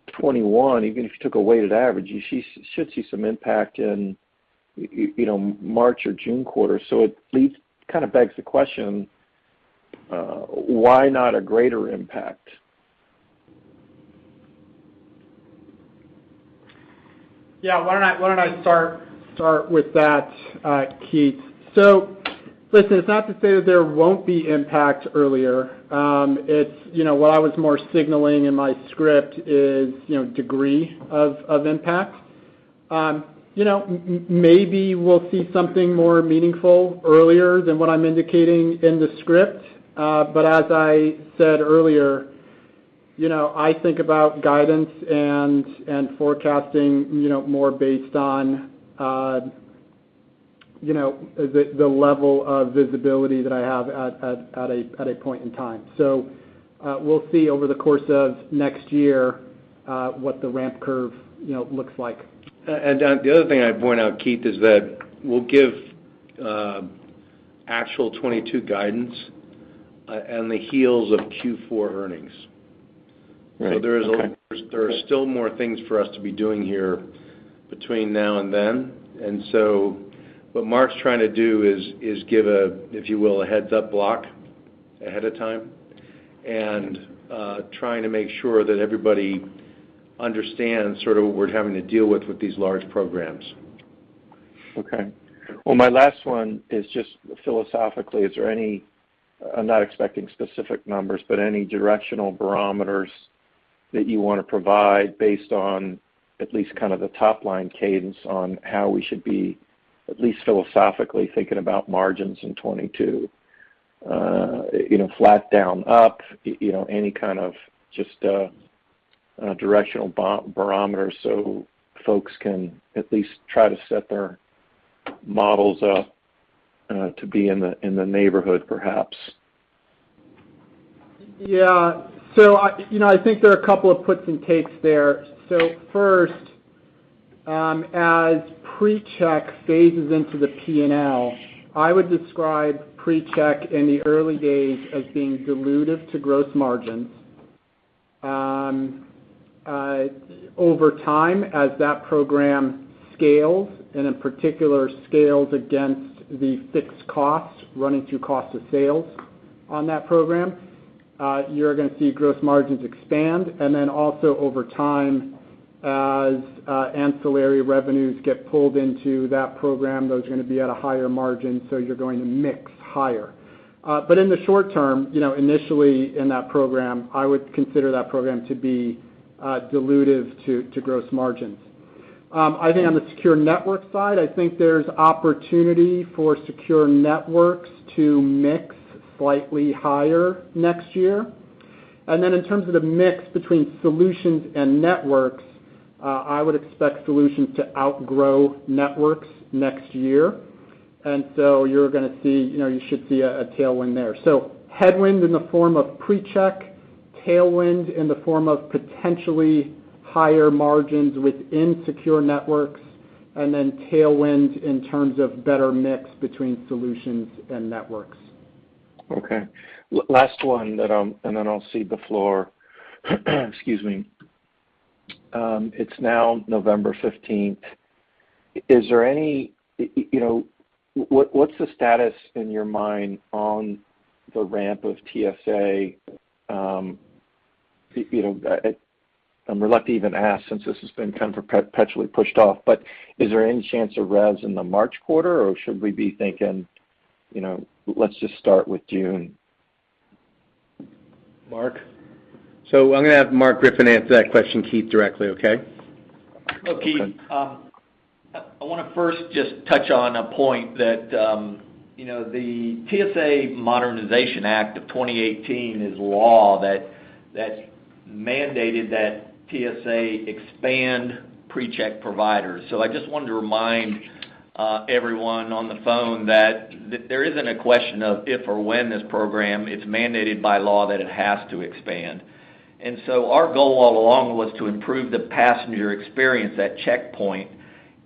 2021, even if you took a weighted average, you should see some impact in, you know, March or June quarter. It leads kind of begs the question, why not a greater impact? Yeah. Why don't I start with that, Keith. Listen, it's not to say that there won't be impact earlier. It's, you know, what I was more signaling in my script is, you know, degree of impact. You know, maybe we'll see something more meaningful earlier than what I'm indicating in the script. As I said earlier, you know, I think about guidance and forecasting, you know, more based on, you know, the level of visibility that I have at a point in time. We'll see over the course of next year what the ramp curve, you know, looks like. The other thing I'd point out, Keith, is that we'll give actual 2022 guidance on the heels of Q4 earnings. Right. Okay. There are still more things for us to be doing here between now and then. What Mark's trying to do is give a, if you will, a heads-up block ahead of time and trying to make sure that everybody understands sort of what we're having to deal with with these large programs. Okay. Well, my last one is just philosophically, is there any I'm not expecting specific numbers, but any directional barometers that you wanna provide based on at least kind of the top-line cadence on how we should be at least philosophically thinking about margins in 2022? You know, flat down, up, you know, any kind of just directional barometer, so folks can at least try to set their models up to be in the neighborhood perhaps. Yeah. You know, I think there are a couple of puts and takes there. First, as PreCheck phases into the P&L, I would describe PreCheck in the early days as being dilutive to gross margins. Over time, as that program scales, and in particular, scales against the fixed costs running through cost of sales on that program, you're gonna see gross margins expand. Then also over time, as ancillary revenues get pulled into that program, those are gonna be at a higher margin, so you're going to mix higher. In the short term, you know, initially in that program, I would consider that program to be dilutive to gross margins. I think on the Secure Networks side, I think there's opportunity for Secure Networks to mix slightly higher next year. Then in terms of the mix between Solutions and Networks, I would expect Solutions to outgrow Networks next year. You're gonna see, you know, you should see a tailwind there. Headwind in the form of PreCheck. Tailwind in the form of potentially higher margins within Secure Networks, and then tailwind in terms of better mix between Solutions and Networks. Okay. Last one that I'm. I'll cede the floor. Excuse me. It's now November 15th. Is there any, you know, what's the status in your mind on the ramp of TSA? You know, I'm reluctant to even ask since this has been kind of perpetually pushed off, but is there any chance of revs in the March quarter, or should we be thinking, you know, let's just start with June? Mark? I'm gonna have Mark Griffin answer that question, Keith, directly, okay? Okay. Hello, Keith. I want to first just touch on a point that, you know, the TSA Modernization Act of 2018 is law that mandated that TSA expand PreCheck providers. I just wanted to remind everyone on the phone that there isn't a question of if or when this program, it's mandated by law that it has to expand. Our goal all along was to improve the passenger experience at checkpoint.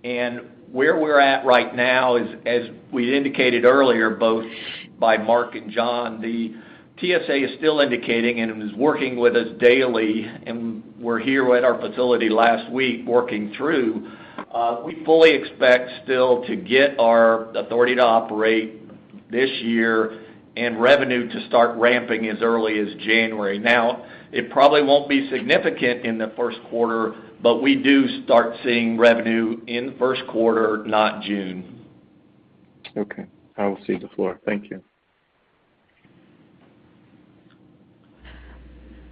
Where we're at right now is, as we indicated earlier, both by Mark and John, the TSA is still indicating that it was working with us daily, and they were here at our facility last week working through. We fully expect still to get our authority to operate this year and revenue to start ramping as early as January. Now, it probably won't be significant in the first quarter, but we do start seeing revenue in the first quarter, not June. Okay. I will cede the floor. Thank you.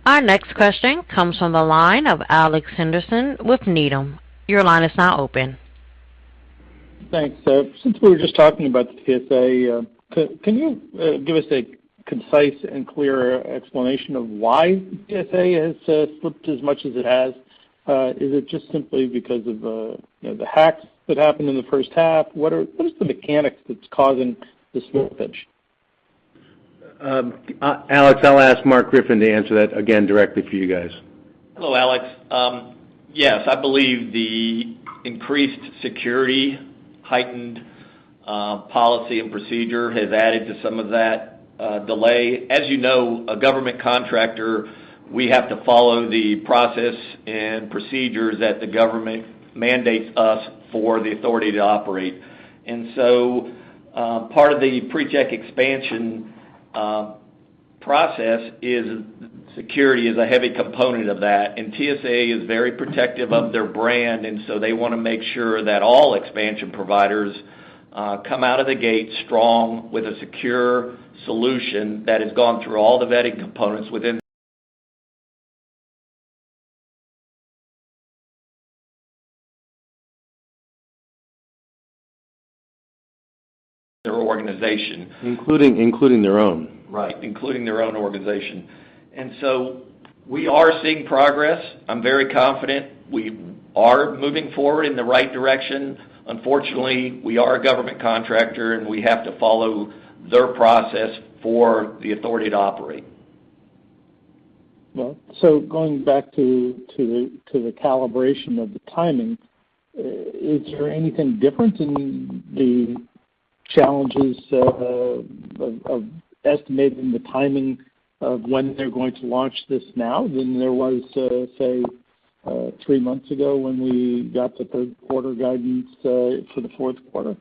Our next question comes from the line of Alex Henderson with Needham. Your line is now open. Thanks. Since we were just talking about the TSA, can you give us a concise and clear explanation of why TSA has slipped as much as it has? Is it just simply because of, you know, the hacks that happened in the first half? What is the mechanics that's causing the slippage? Alex, I'll ask Mark Griffin to answer that again directly for you guys. Hello, Alex. Yes, I believe the increased security, heightened policy and procedure has added to some of that delay. As you know, as a government contractor, we have to follow the process and procedures that the government mandates us for the authority to operate. Part of the PreCheck expansion process, security is a heavy component of that, and TSA is very protective of their brand, and so they wanna make sure that all expansion providers come out of the gate strong with a secure solution that has gone through all the vetting components within their organization. Including their own. Right, including their own organization. We are seeing progress. I'm very confident we are moving forward in the right direction. Unfortunately, we are a government contractor, and we have to follow their process for the authority to operate. Well, going back to the calibration of the timing, is there anything different in the challenges of estimating the timing of when they're going to launch this now than there was, say, three months ago when we got the third quarter guidance for the fourth quarter?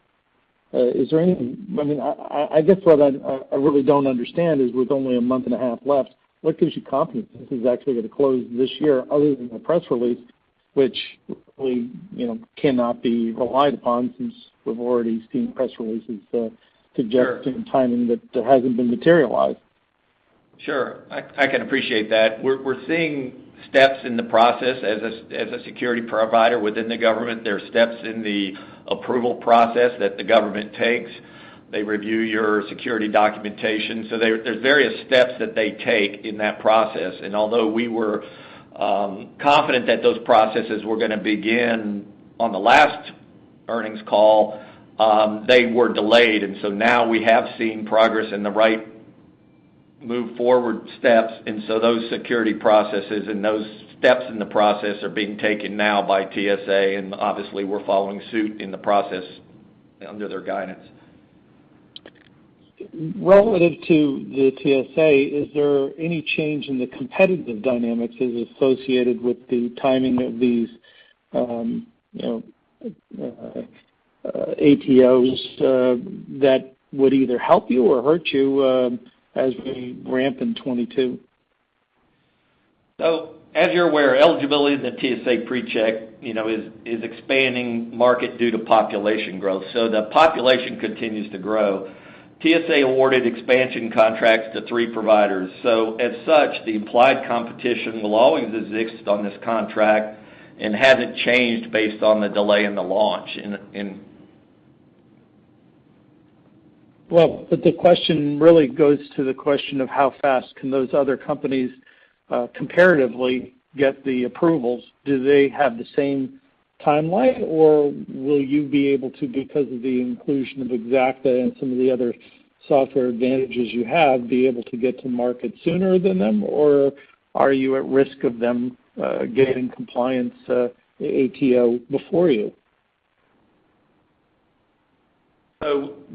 I mean, I guess what I really don't understand is with only a month and a half left, what gives you confidence this is actually gonna close this year other than the press release, which we, you know, cannot be relied upon since we've already seen press releases. Sure suggesting timing that hasn't been materialized. Sure. I can appreciate that. We're seeing steps in the process as a security provider within the government. There are steps in the approval process that the government takes. They review your security documentation. So there's various steps that they take in that process. Although we were confident that those processes were gonna begin on the last earnings call, they were delayed, and so now we have seen progress in the right move forward steps. So those security processes and those steps in the process are being taken now by TSA, and obviously, we're following suit in the process under their guidance. Relative to the TSA, is there any change in the competitive dynamics as associated with the timing of these ATOs that would either help you or hurt you as we ramp in 2022? As you're aware, eligibility in the TSA PreCheck, you know, is expanding market due to population growth. The population continues to grow. TSA awarded expansion contracts to three providers. As such, the implied competition will always exist on this contract and hasn't changed based on the delay in the launch in. The question really goes to the question of how fast can those other companies comparatively get the approvals? Do they have the same timeline, or will you be able to, because of the inclusion of Xacta and some of the other software advantages you have, be able to get to market sooner than them? Are you at risk of them getting compliance ATO before you?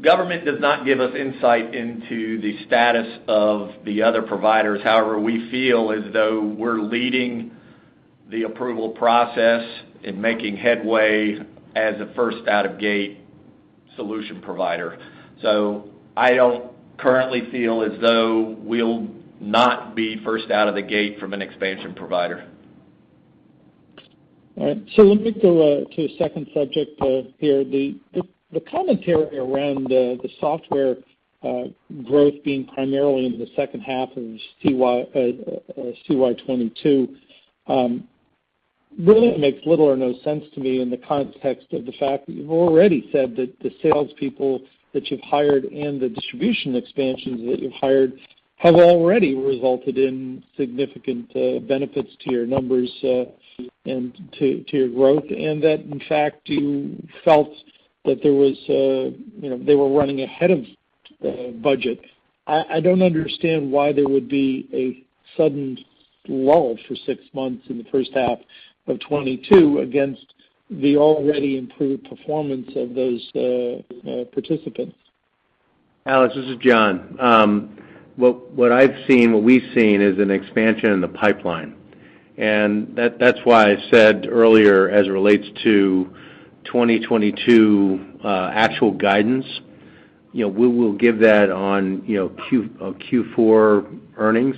Government does not give us insight into the status of the other providers. However, we feel as though we're leading the approval process in making headway as a first out of gate solution provider. I don't currently feel as though we'll not be first out of the gate from an expansion provider. All right. Let me go to a second subject, here. The commentary around the software growth being primarily in the second half of CY 2022 really makes little or no sense to me in the context of the fact that you've already said that the salespeople that you've hired and the distribution expansions that you've hired have already resulted in significant benefits to your numbers and to your growth. That in fact you felt that there was, you know, they were running ahead of budget. I don't understand why there would be a sudden lull for six months in the first half of 2022 against the already improved performance of those participants. Alex, this is John. What I've seen, what we've seen is an expansion in the pipeline. That's why I said earlier as it relates to 2022 actual guidance. You know, we will give that on, you know, Q4 earnings,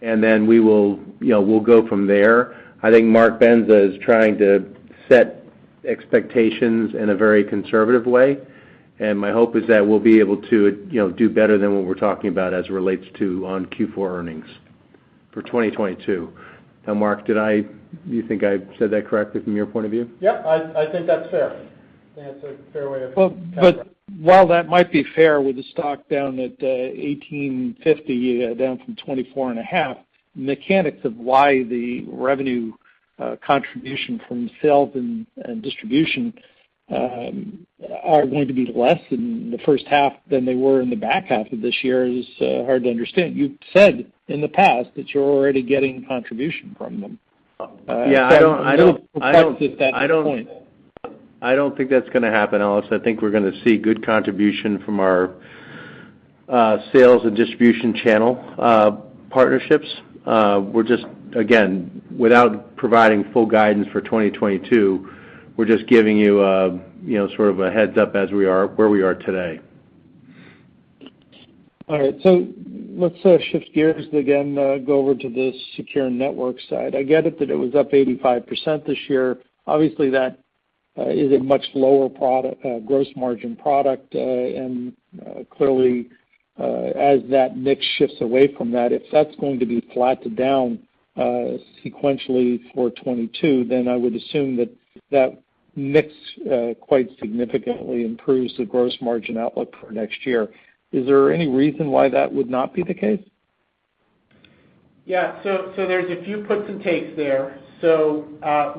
and then we will, you know, we'll go from there. I think Mark Bendza is trying to set expectations in a very conservative way, and my hope is that we'll be able to, you know, do better than what we're talking about as it relates to our Q4 earnings for 2022. Now, Mark, do you think I said that correctly from your point of view? Yeah, I think that's fair. That's a fair way of While that might be fair with the stock down at $18.50, down from $24.50, the mechanics of why the revenue contribution from sales and distribution are going to be less in the first half than they were in the back half of this year is hard to understand. You've said in the past that you're already getting contribution from them. Yeah, I don't. at that point. I don't think that's gonna happen, Alex. I think we're gonna see good contribution from our sales and distribution channel partnerships. We're just, again, without providing full guidance for 2022, we're just giving you know, sort of a heads up as we are where we are today. All right, let's shift gears again, go over to the Secure Networks side. I get it that it was up 85% this year. Obviously, that is a much lower product gross margin product. Clearly, as that mix shifts away from that, if that's going to be flat to down sequentially for 2022, then I would assume that that mix quite significantly improves the gross margin outlook for next year. Is there any reason why that would not be the case? Yeah. There's a few puts and takes there.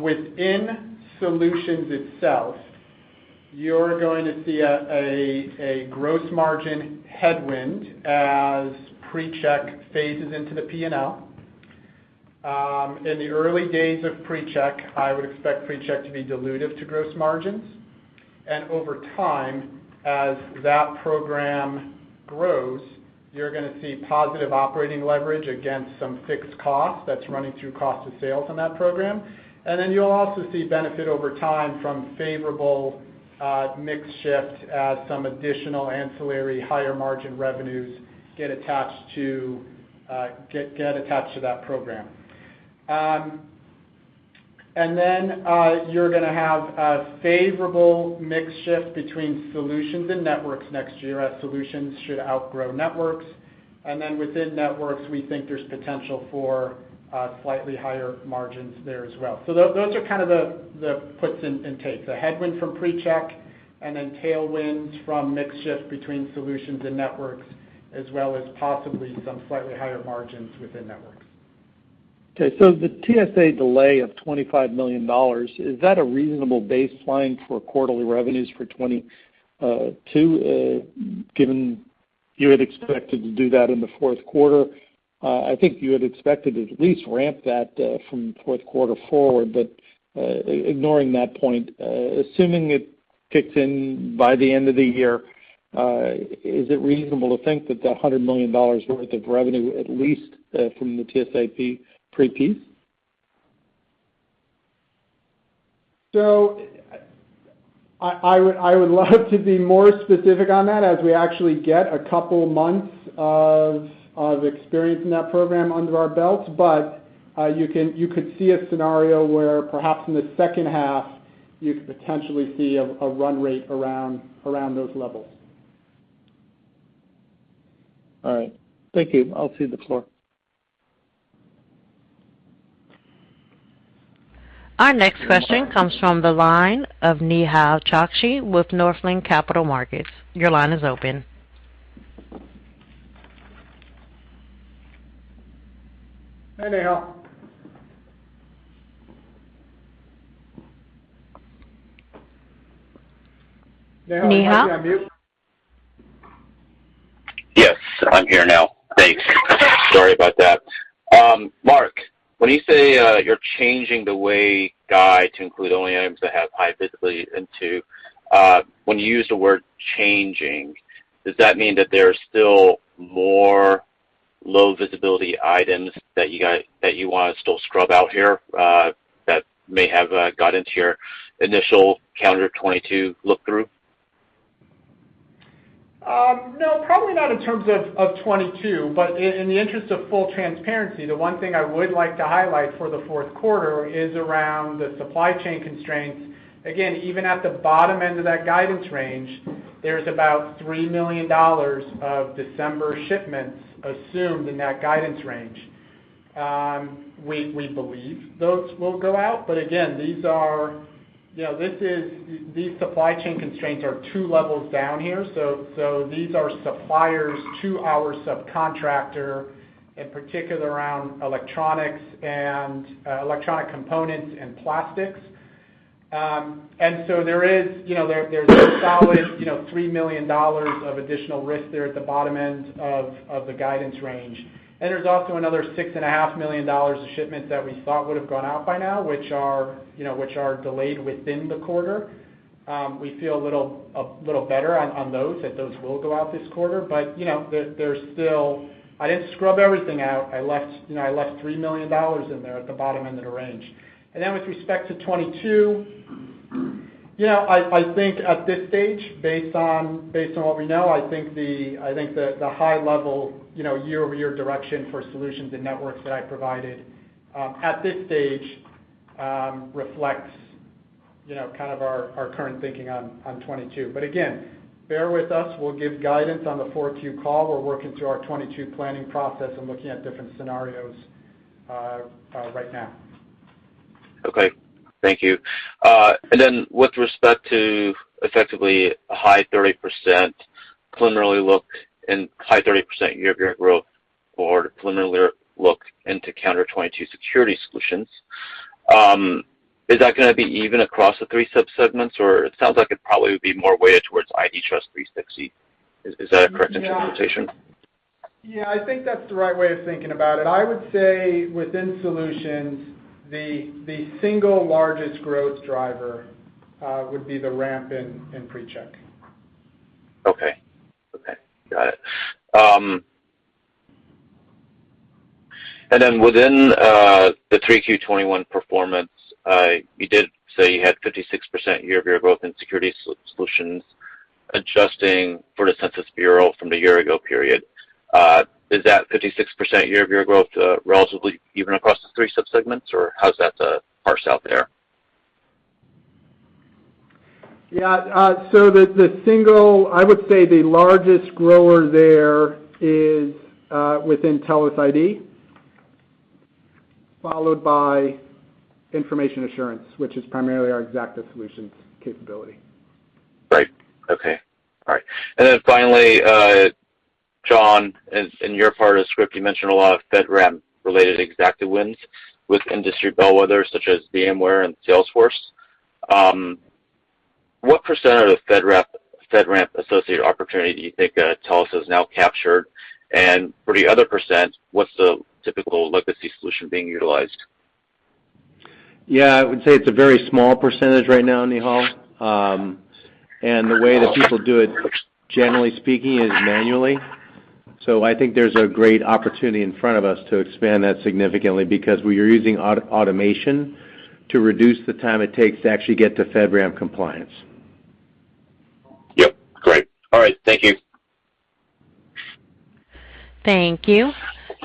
Within Solutions itself, you're going to see a gross margin headwind as PreCheck phases into the P&L. In the early days of PreCheck, I would expect PreCheck to be dilutive to gross margins. Over time, as that program grows, you're gonna see positive operating leverage against some fixed costs that's running through cost of sales on that program. You'll also see benefit over time from favorable mix shift as some additional ancillary higher margin revenues get attached to that program. You're gonna have a favorable mix shift between Solutions and Networks next year as Solutions should outgrow Networks. Within Networks, we think there's potential for slightly higher margins there as well. Those are kind of the puts and takes. The headwind from PreCheck and then tailwinds from mix shift between Solutions and Networks, as well as possibly some slightly higher margins within Networks. Okay. The TSA delay of $25 million, is that a reasonable baseline for quarterly revenues for 2022, given you had expected to do that in the fourth quarter? I think you had expected to at least ramp that from fourth quarter forward. Ignoring that point, assuming it kicks in by the end of the year, is it reasonable to think that that $100 million worth of revenue, at least, from the TSA PreCheck? I would love to be more specific on that as we actually get a couple months of experience in that program under our belt. But you could see a scenario where perhaps in the second half you could potentially see a run rate around those levels. All right. Thank you. I'll cede the floor. Our next question comes from the line of Nehal Chokshi with Northland Capital Markets. Your line is open. Hi, Nehal. Nehal, are you on mute? Yes, I'm here now. Thanks. Sorry about that. Mark, when you say you're changing the way we guide to include only items that have high visibility into... when you use the word changing, does that mean that there are still more low visibility items that you wanna still scrub out here, that may have got into your initial calendar 2022 look through? No, probably not in terms of 2022. In the interest of full transparency, the one thing I would like to highlight for the fourth quarter is around the supply chain constraints. Again, even at the bottom end of that guidance range, there's about $3 million of December shipments assumed in that guidance range. We believe those will go out, but again, these are supply chain constraints two levels down here. So these are suppliers to our subcontractor, in particular around electronics and electronic components and plastics. There is a solid, you know, $3 million of additional risk there at the bottom end of the guidance range. There's also another $6.5 million of shipments that we thought would've gone out by now, which are, you know, which are delayed within the quarter. We feel a little better on those that those will go out this quarter. You know, there's still. I didn't scrub everything out. I left, you know, I left $3 million in there at the bottom end of the range. Then with respect to 2022, you know, I think at this stage, based on what we know, I think the high level, you know, year-over-year direction for solutions and networks that I provided at this stage reflects, you know, kind of our current thinking on 2022. Again, bear with us, we'll give guidance on the Q4 call. We're working through our 2022 planning process and looking at different scenarios, right now. Okay. Thank you. With respect to effectively a high 30% preliminary look and high 30% year-over-year growth for the preliminary look into calendar 2022 Security Solutions, is that gonna be even across the three sub-segments, or it sounds like it probably would be more weighted towards IDTrust360. Is that a correct interpretation? Yeah, I think that's the right way of thinking about it. I would say within solutions, the single largest growth driver would be the ramp in PreCheck. Okay. Got it. Within the 3Q 2021 performance, you did say you had 56% year-over-year growth in Security Solutions adjusting for the Census Bureau from the year ago period. Is that 56% year-over-year growth relatively even across the three sub-segments, or how's that parsed out there? I would say the largest grower there is within Telos ID, followed by information assurance, which is primarily our Xacta Solutions capability. Finally, John, as in your part of the script, you mentioned a lot of FedRAMP-related Xacta wins with industry bellwethers such as VMware and Salesforce. What percent of the FedRAMP-associated opportunity do you think Telos has now captured? For the other percent, what's the typical legacy solution being utilized? I would say it's a very small percentage right now, Nehal. The way that people do it, generally speaking, is manually. I think there's a great opportunity in front of us to expand that significantly because we are using automation to reduce the time it takes to actually get to FedRAMP compliance. Yep. Great. All right. Thank you. Thank you.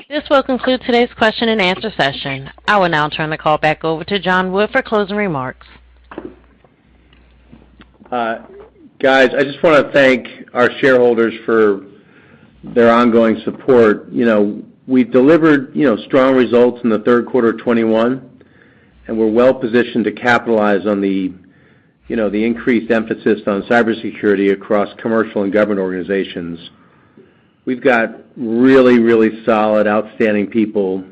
This will conclude today's question and answer session. I will now turn the call back over to John Wood for closing remarks. Guys, I just wanna thank our shareholders for their ongoing support. You know, we've delivered, you know, strong results in the third quarter of 2021, and we're well-positioned to capitalize on the, you know, the increased emphasis on cybersecurity across commercial and government organizations. We've got really solid, outstanding people.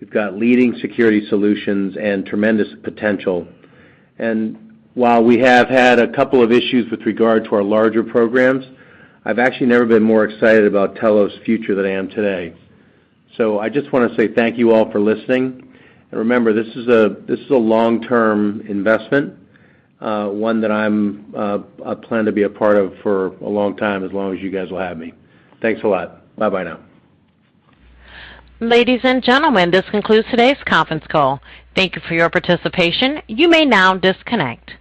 We've got leading security solutions and tremendous potential. While we have had a couple of issues with regard to our larger programs, I've actually never been more excited about Telos' future than I am today. I just wanna say thank you all for listening. Remember, this is a long-term investment, one that I plan to be a part of for a long time, as long as you guys will have me. Thanks a lot. Bye-bye now. Ladies and gentlemen, this concludes today's conference call. Thank you for your participation. You may now disconnect.